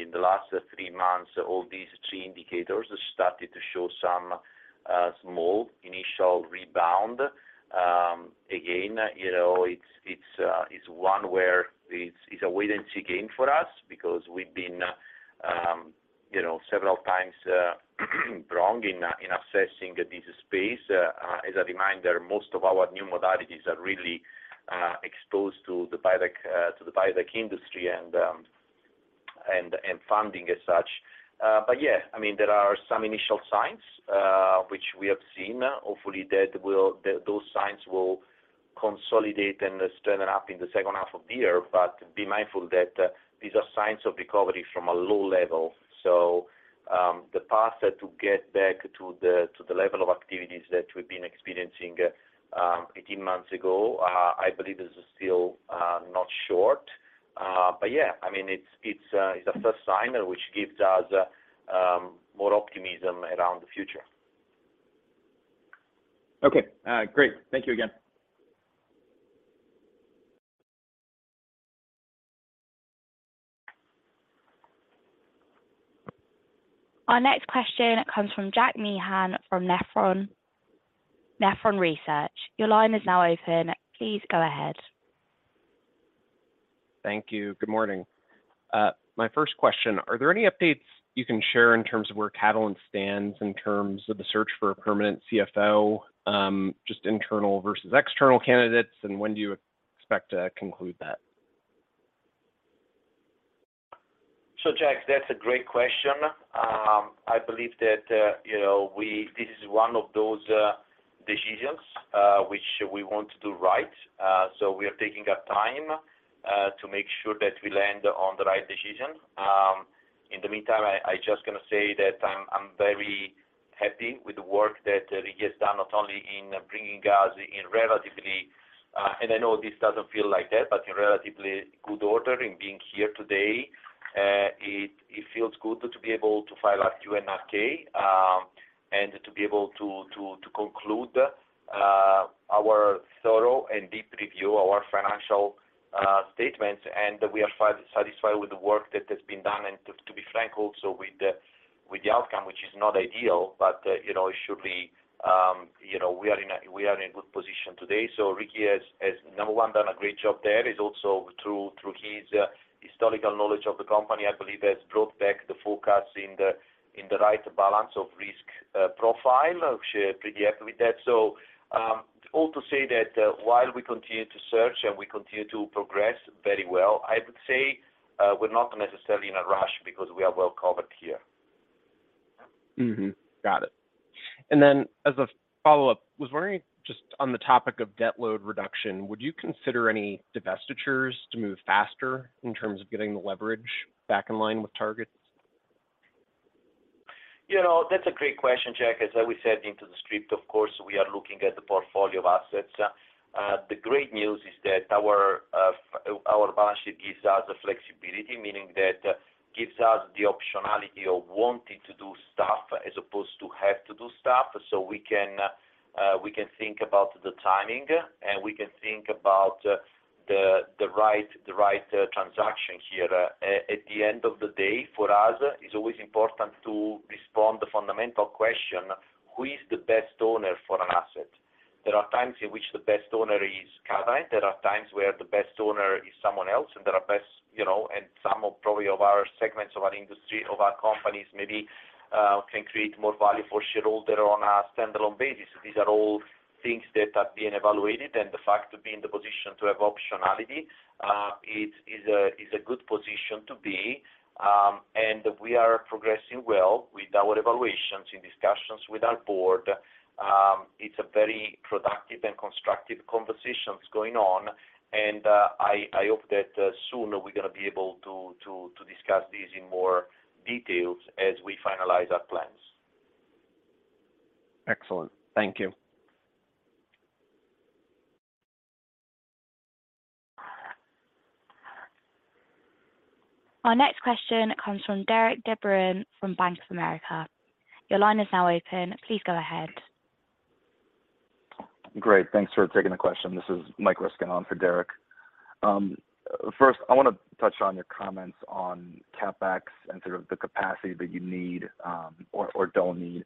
In the last three months, all these three indicators have started to show some small initial rebound. Again, you know, it's one where it's a wait-and-see game for us because we've been, you know, several times wrong in assessing this space. As a reminder, most of our new modalities are really exposed to the biotech industry and funding as such. Yeah, I mean, there are some initial signs which we have seen, hopefully, that those signs will consolidate and strengthen up in the second half of the year. Be mindful that these are signs of recovery from a low level. The path to get back to the level of activities that we've been experiencing 18 months ago, I believe is still not short. Yeah, I mean, it's a first sign which gives us more optimism around the future. Okay. Great. Thank you again. Our next question comes from Jack Meehan from Nephron Research. Your line is now open. Please go ahead. Thank you. Good morning. my first question, are there any updates you can share in terms of where Catalent stands in terms of the search for a permanent CFO, just internal versus external candidates, and when do you expect to conclude that? Jack, that's a great question. I believe that, you know, this is one of those decisions, which we want to do right. We are taking our time to make sure that we land on the right decision. In the meantime, I just gonna say that I'm very happy with the work that Ricky has done, not only in bringing us in relatively, and I know this doesn't feel like that, but in relatively good order in being here today. It feels good to be able to file our 10-Q and our K and to be able to conclude our thorough and deep review, our financial statements. We are satisfied with the work that has been done, to be frank, also with the outcome, which is not ideal, but, you know, it should be, you know, we are in a good position today. Ricky has, number one, done a great job there, is also through his historical knowledge of the company, I believe, has brought back the focus in the right balance of risk profile. We're pretty happy with that. All to say that, while we continue to search and we continue to progress very well, I would say, we're not necessarily in a rush because we are well covered here. Got it. Then, as a follow-up, was wondering, just on the topic of debt load reduction, would you consider any divestitures to move faster in terms of getting the leverage back in line with targets? You know, that's a great question, Jack. As we said into the script, of course, we are looking at the portfolio of assets. The great news is that our balance sheet gives us the flexibility, meaning that gives us the optionality of wanting to do stuff as opposed to have to do stuff. We can think about the timing, and we can think about the right, the right transaction here. At the end of the day, for us, it's always important to respond the fundamental question, who is the best owner for an asset? There are times in which the best owner is Catalent. There are times where the best owner is someone else, and there are best, you know, and some of probably of our segments of our industry, of our companies, maybe can create more value for shareholder on a standalone basis. These are all things that are being evaluated, and the fact to be in the position to have optionality, is a good position to be. We are progressing well with our evaluations in discussions with our board. It's a very productive and constructive conversations going on, and I hope that soon we're gonna be able to discuss this in more details as we finalize our plans. Excellent. Thank you. Our next question comes from Derik De Bruin from Bank of America. Your line is now open. Please go ahead. Great. Thanks for taking the question. This is Mike Ryskin on for Derek. First, I want to touch on your comments on CapEx and sort of the capacity that you need, or don't need.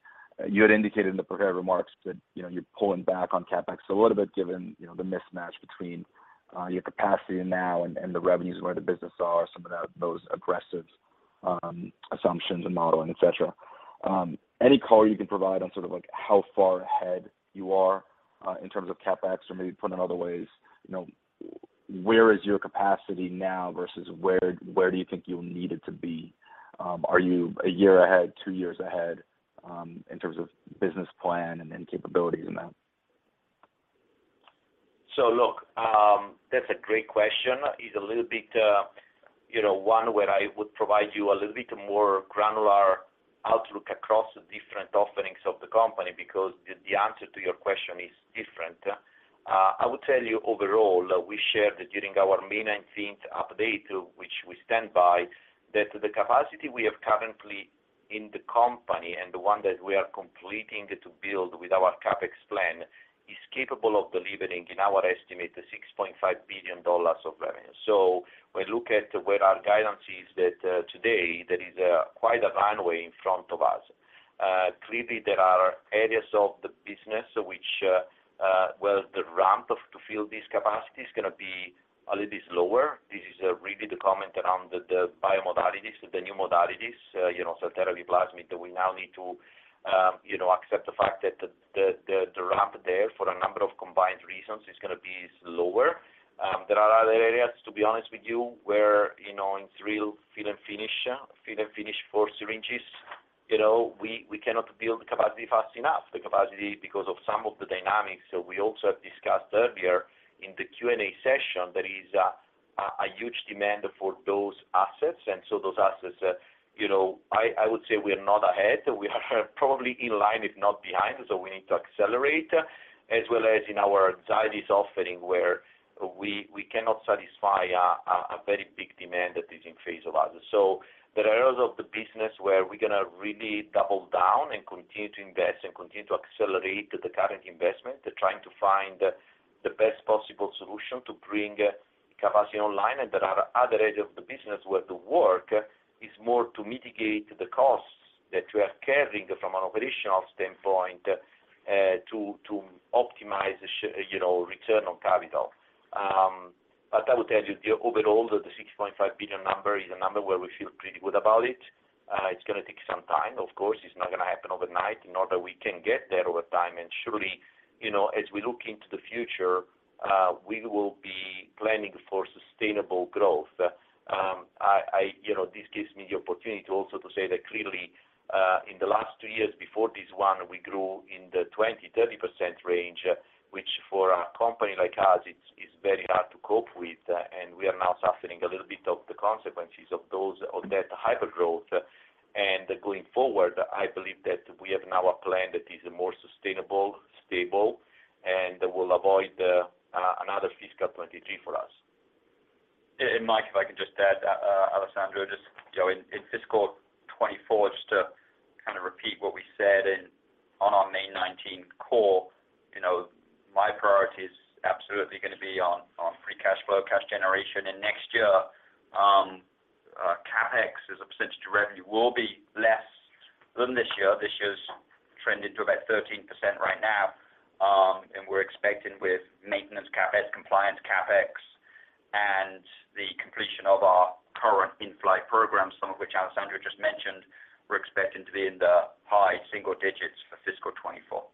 You had indicated in the prepared remarks that, you know, you're pulling back on CapEx a little bit, given, you know, the mismatch between your capacity now and the revenues where the business are, some of that, those aggressive assumptions and modeling, et cetera. Any color you can provide on sort of, like, how far ahead you are in terms of CapEx, or maybe put in other ways, you know, where is your capacity now versus where do you think you need it to be? Are you one year ahead, two years ahead in terms of business plan and then capabilities in that? Look, that's a great question. It's a little bit, you know, one where I would provide you a little bit more granular outlook across the different offerings of the company, because the answer to your question is different. I would tell you overall, we shared during our May 19th update, which we stand by, that the capacity we have currently in the company and the one that we are completing to build with our CapEx plan is capable of delivering, in our estimate, $6.5 billion of revenue. When you look at where our guidance is that, today, there is a quite a runway in front of us. Clearly, there are areas of the business which, well, the ramp to fill this capacity is gonna be a little bit lower. This is really the comment around the biomodalities, the new modalities, you know, so therapy plasmid, that we now need to, you know, accept the fact that the ramp there for a number of combined reasons, is gonna be lower. There are other areas, to be honest with you, where, you know, in real fill and finish, fill and finish for syringes, you know, we cannot build capacity fast enough, the capacity, because of some of the dynamics that we also have discussed earlier in the Q&A session, there is a huge demand for those assets. Those assets, you know, I would say we are not ahead. We are probably in line, if not behind, so we need to accelerate, as well as in our diabetes offering, where we cannot satisfy a very big demand that is in face of us. There are areas of the business where we're gonna really double down and continue to invest and continue to accelerate the current investment, to trying to find the best possible solution to bring capacity online, and there are other areas of the business where the work is more to mitigate the costs that we are carrying from an operational standpoint, to optimize you know, return on capital. I will tell you the overall, the $6.5 billion number is a number where we feel pretty good about it. It's gonna take some time, of course, it's not gonna happen overnight, in order we can get there over time. Surely, you know, as we look into the future, we will be planning for sustainable growth. You know, this gives me the opportunity also to say that clearly, in the last two years before this one, we grew in the 20%-30% range, which for a company like us, is very hard to cope with, and we are now suffering a little bit of the consequences of that hypergrowth. Going forward, I believe that we have now a plan that is more sustainable, stable, and will avoid another fiscal 2023 for us. Mike, if I could just add, Alessandro, just, you know, in fiscal 2024, just to kind of repeat what we said on our May 19 call, you know, my priority is absolutely gonna be on free cash flow, cash generation. Next year, CapEx, as a percentage of revenue, will be less than this year. This year's trended to about 13% right now, and we're expecting with maintenance CapEx, compliance CapEx, and the completion of our current in-flight program, some of which Alessandro just mentioned, we're expecting to be in the high single digits for fiscal 2024.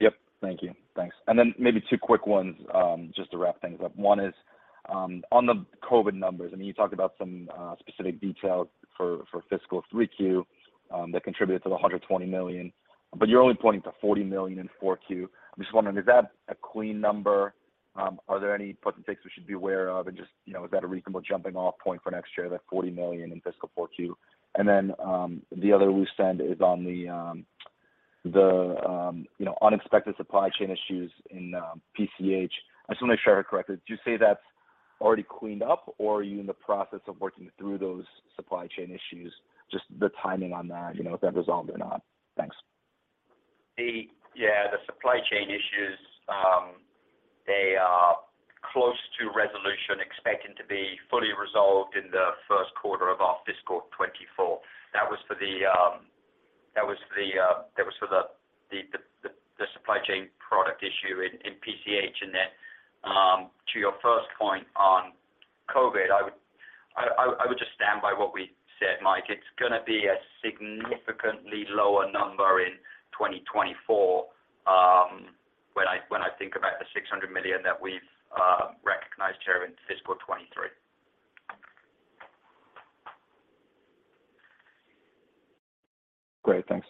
Yep. Thank you. Thanks. Maybe two quick ones, just to wrap things up. One is, on the COVID numbers, you talked about some specific detail for fiscal 3Q that contributed to the $120 million, but you're only pointing to $40 million in 4Q. I'm just wondering, is that a clean number? Are there any puts and takes we should be aware of? Just, you know, is that a reasonable jumping off point for next year, that $40 million in fiscal 4Q? The other loose end is on the, you know, unexpected supply chain issues in PCH. I just want to make sure I heard correctly. Did you say that's already cleaned up, or are you in the process of working through those supply chain issues? Just the timing on that, you know, if that resolved or not. Thanks. Yeah, the supply chain issues, they are close to resolution, expecting to be fully resolved in the first quarter of our fiscal 2024. That was for the supply chain product issue in PCH. Then, to your first point on COVID, I would just stand by what we said, Mike, it's gonna be a significantly lower number in 2024, when I think about the $600 million that we've recognized here in fiscal 2023. Great, thanks.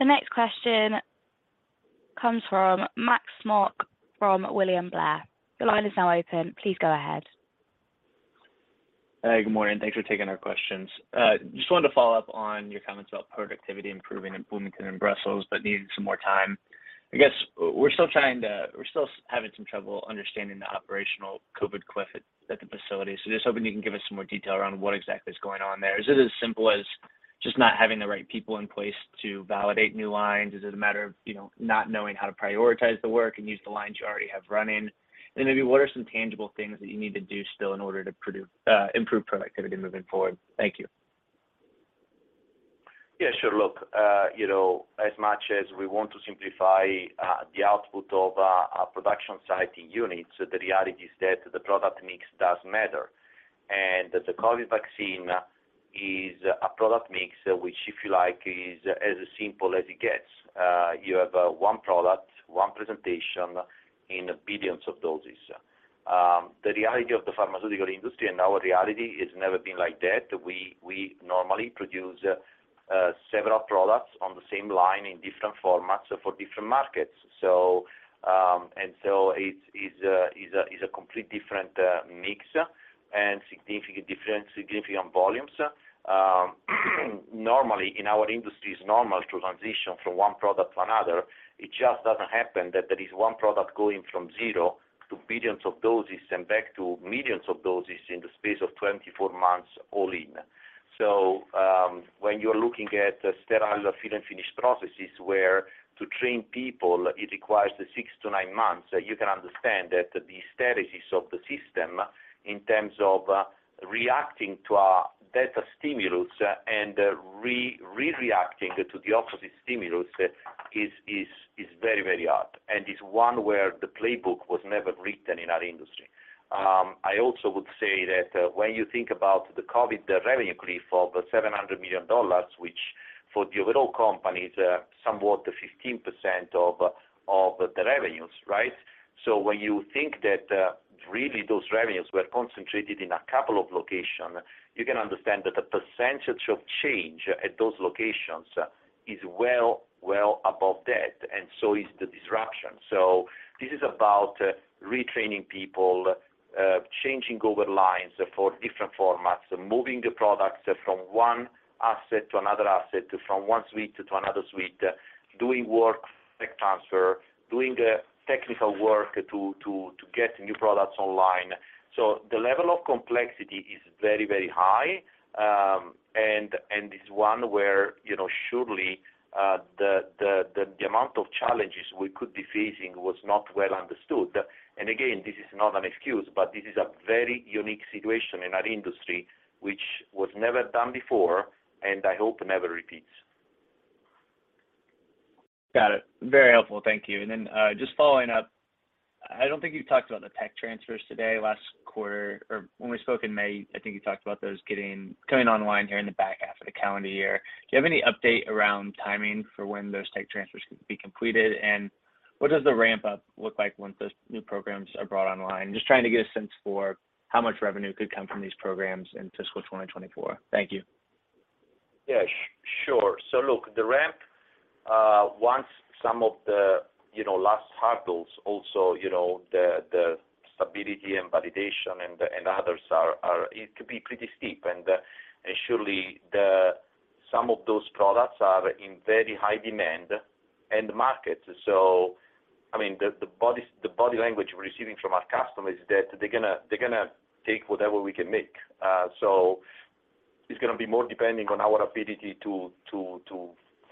The next question comes from Max Smock, from William Blair. Your line is now open. Please go ahead. Hey, good morning, thanks for taking our questions. Just wanted to follow up on your comments about productivity improving in Bloomington and Brussels, needing some more time. I guess we're still having some trouble understanding the operational COVID cliff at the facility. Just hoping you can give us some more detail around what exactly is going on there. Is it as simple as just not having the right people in place to validate new lines? Is it a matter of, you know, not knowing how to prioritize the work and use the lines you already have running? Maybe what are some tangible things that you need to do still in order to improve productivity moving forward? Thank you. Yeah, sure. Look, you know, as much as we want to simplify the output of our production society units, the reality is that the product mix does matter. The COVID vaccine is a product mix, which, if you like, is as simple as it gets. You have one product, one presentation in billions of doses. The reality of the pharmaceutical industry and our reality, it's never been like that. We normally produce several products on the same line in different formats for different markets. It's a complete different mix, and significant different, significant volumes. Normally in our industry, it's normal to transition from 1 product to another. It just doesn't happen that there is one product going from zero to billions of doses and back to millions of doses in the space of 24 months, all in. When you're looking at sterile fill and finish processes, where to train people, it requires the six to nine months, you can understand that the hysteresis of the system in terms of reacting to a better stimulus and re-reacting to the opposite stimulus is very, very hard, and is one where the playbook was never written in our industry. I also would say that when you think about the COVID, the revenue cliff of $700 million, which for the overall company is somewhat to 15% of the revenues, right? When you think that, really those revenues were concentrated in a couple of locations, you can understand that the percentage of change at those locations is well above that, and so is the disruption. This is about retraining people, changing over lines for different formats, moving the products from one asset to another asset, from one suite to another suite, doing tech transfer, doing the technical work to get new products online. The level of complexity is very, very high, and is one where, you know, surely, the amount of challenges we could be facing was not well understood. Again, this is not an excuse, but this is a very unique situation in our industry, which was never done before, and I hope never repeats. Got it. Very helpful. Thank you. Then, just following up, I don't think you talked about the tech transfers today, last quarter, or when we spoke in May, I think you talked about those coming online here in the back half of the calendar year. Do you have any update around timing for when those tech transfers could be completed? And what does the ramp-up look like once those new programs are brought online? Just trying to get a sense for how much revenue could come from these programs in fiscal 2024. Thank you. Yeah, sure. Look, the ramp, once some of the, you know, last hurdles also, you know, the stability and validation and others are, it could be pretty steep. Surely some of those products are in very high demand end markets. I mean, the body language we're receiving from our customers is that they're gonna take whatever we can make. It's gonna be more depending on our ability to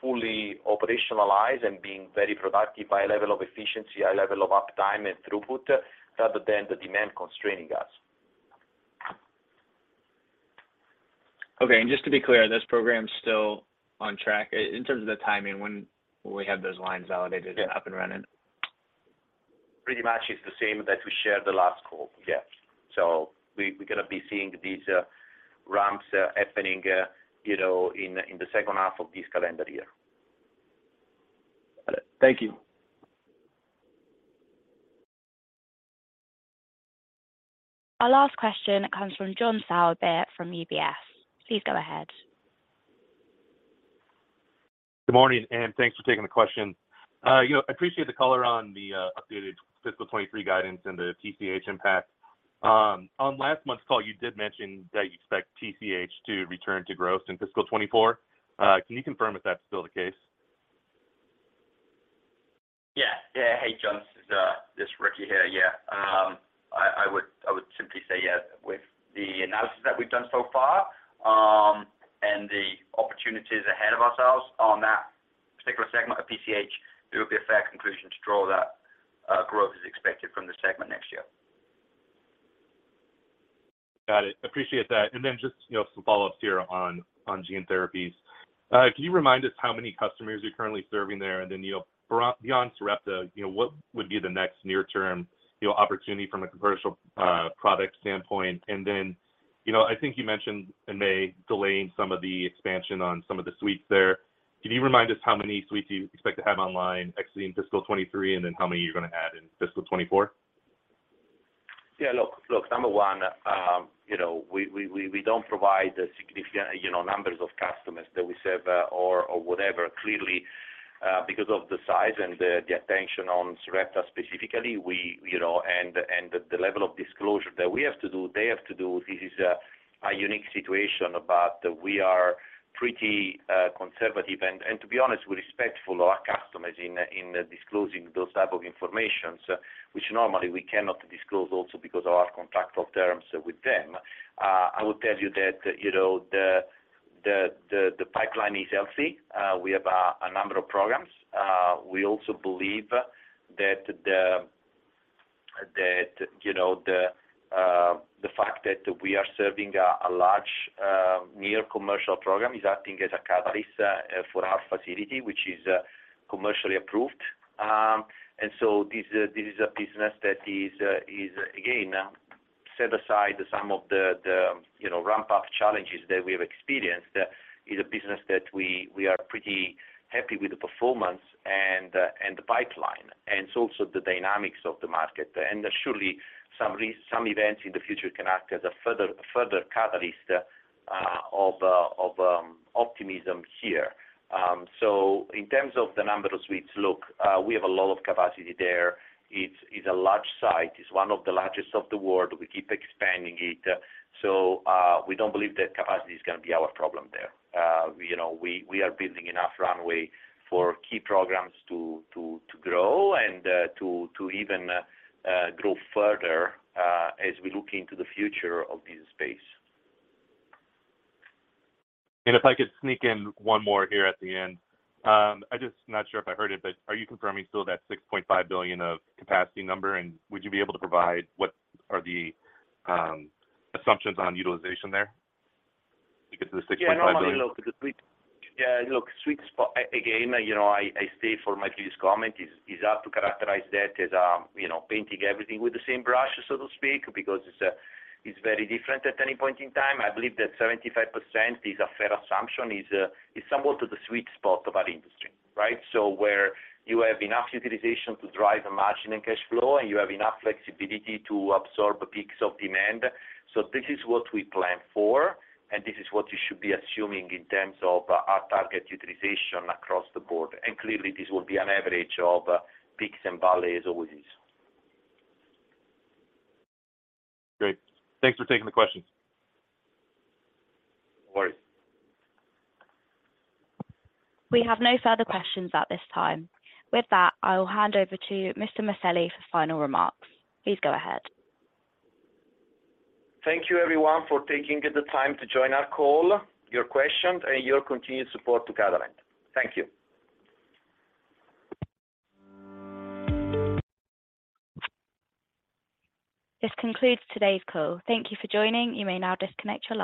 fully operationalize and being very productive by a level of efficiency, a level of uptime and throughput, rather than the demand constraining us. Okay. Just to be clear, this program is still on track in terms of the timing, when will we have those lines validated? Yeah up and running? Pretty much it's the same that we shared the last call. Yeah. We're gonna be seeing these ramps happening, you know, in the second half of this calendar year. Got it. Thank you. Our last question comes from John Sourbeer from UBS. Please go ahead. Good morning. Thanks for taking the question. You know, I appreciate the color on the updated fiscal 2023 guidance and the COVID impact. On last month's call, you did mention that you expect COVID to return to growth in fiscal 2024. Can you confirm if that's still the case? Yeah. Yeah. Hey, John, this is Ricky here. Yeah. I would simply say, yeah, with the analysis that we've done so far, and the opportunities ahead of ourselves on that particular segment of COVID, it would be a fair conclusion to draw that growth is expected from the segment next year. Got it. Appreciate that. Just, you know, some follow-ups here on gene therapies. Can you remind us how many customers you're currently serving there? Then, you know, beyond Sarepta, you know, what would be the next near-term, you know, opportunity from a commercial product standpoint? Then, you know, I think you mentioned in May, delaying some of the expansion on some of the suites there. Can you remind us how many suites you expect to have online actually in fiscal 2023, then how many you're gonna add in fiscal 2024? Look, number one, you know, we don't provide the significant, you know, numbers of customers that we serve or whatever. Clearly, because of the size and the attention on Sarepta, specifically, we, you know, and the level of disclosure that we have to do, they have to do, this is a unique situation, but we are pretty conservative and to be honest, we're respectful to our customers in disclosing those type of information, which normally we cannot disclose also because of our contractual terms with them. I will tell you that, you know, the pipeline is healthy. We have a number of programs. We also believe that, you know, the fact that we are serving a large near commercial program is acting as a catalyst for our facility, which is commercially approved. This is a business that is again, set aside some of the, you know, ramp-up challenges that we have experienced. Is a business that we are pretty happy with the performance and the pipeline, and it's also the dynamics of the market. Surely some events in the future can act as a further catalyst of optimism here. In terms of the number of suites, we have a lot of capacity there. It's a large site, it's one of the largest of the world. We keep expanding it, so, we don't believe that capacity is gonna be our problem there. You know, we are building enough runway for key programs to grow and to even grow further, as we look into the future of this space. If I could sneak in one more here at the end. I'm just not sure if I heard it, but are you confirming still that $6.5 billion of capacity number, and would you be able to provide what are the assumptions on utilization there? Because of the $6.5 billion. Normally, look, sweet spot. Again, you know, I stay for my previous comment, is hard to characterize that as, you know, painting everything with the same brush, so to speak, because it's very different at any point in time. I believe that 75% is a fair assumption, is somewhat to the sweet spot of our industry, right? Where you have enough utilization to drive the margin and cash flow, and you have enough flexibility to absorb peaks of demand. This is what we plan for, and this is what you should be assuming in terms of our target utilization across the board. Clearly, this will be an average of peaks and valleys, always is. Great. Thanks for taking the question. No worries. We have no further questions at this time. With that, I will hand over to Mr. Maselli for final remarks. Please go ahead. Thank you, everyone, for taking the time to join our call, your questions, and your continued support to Catalent. Thank you. This concludes today's call. Thank you for joining. You may now disconnect your line.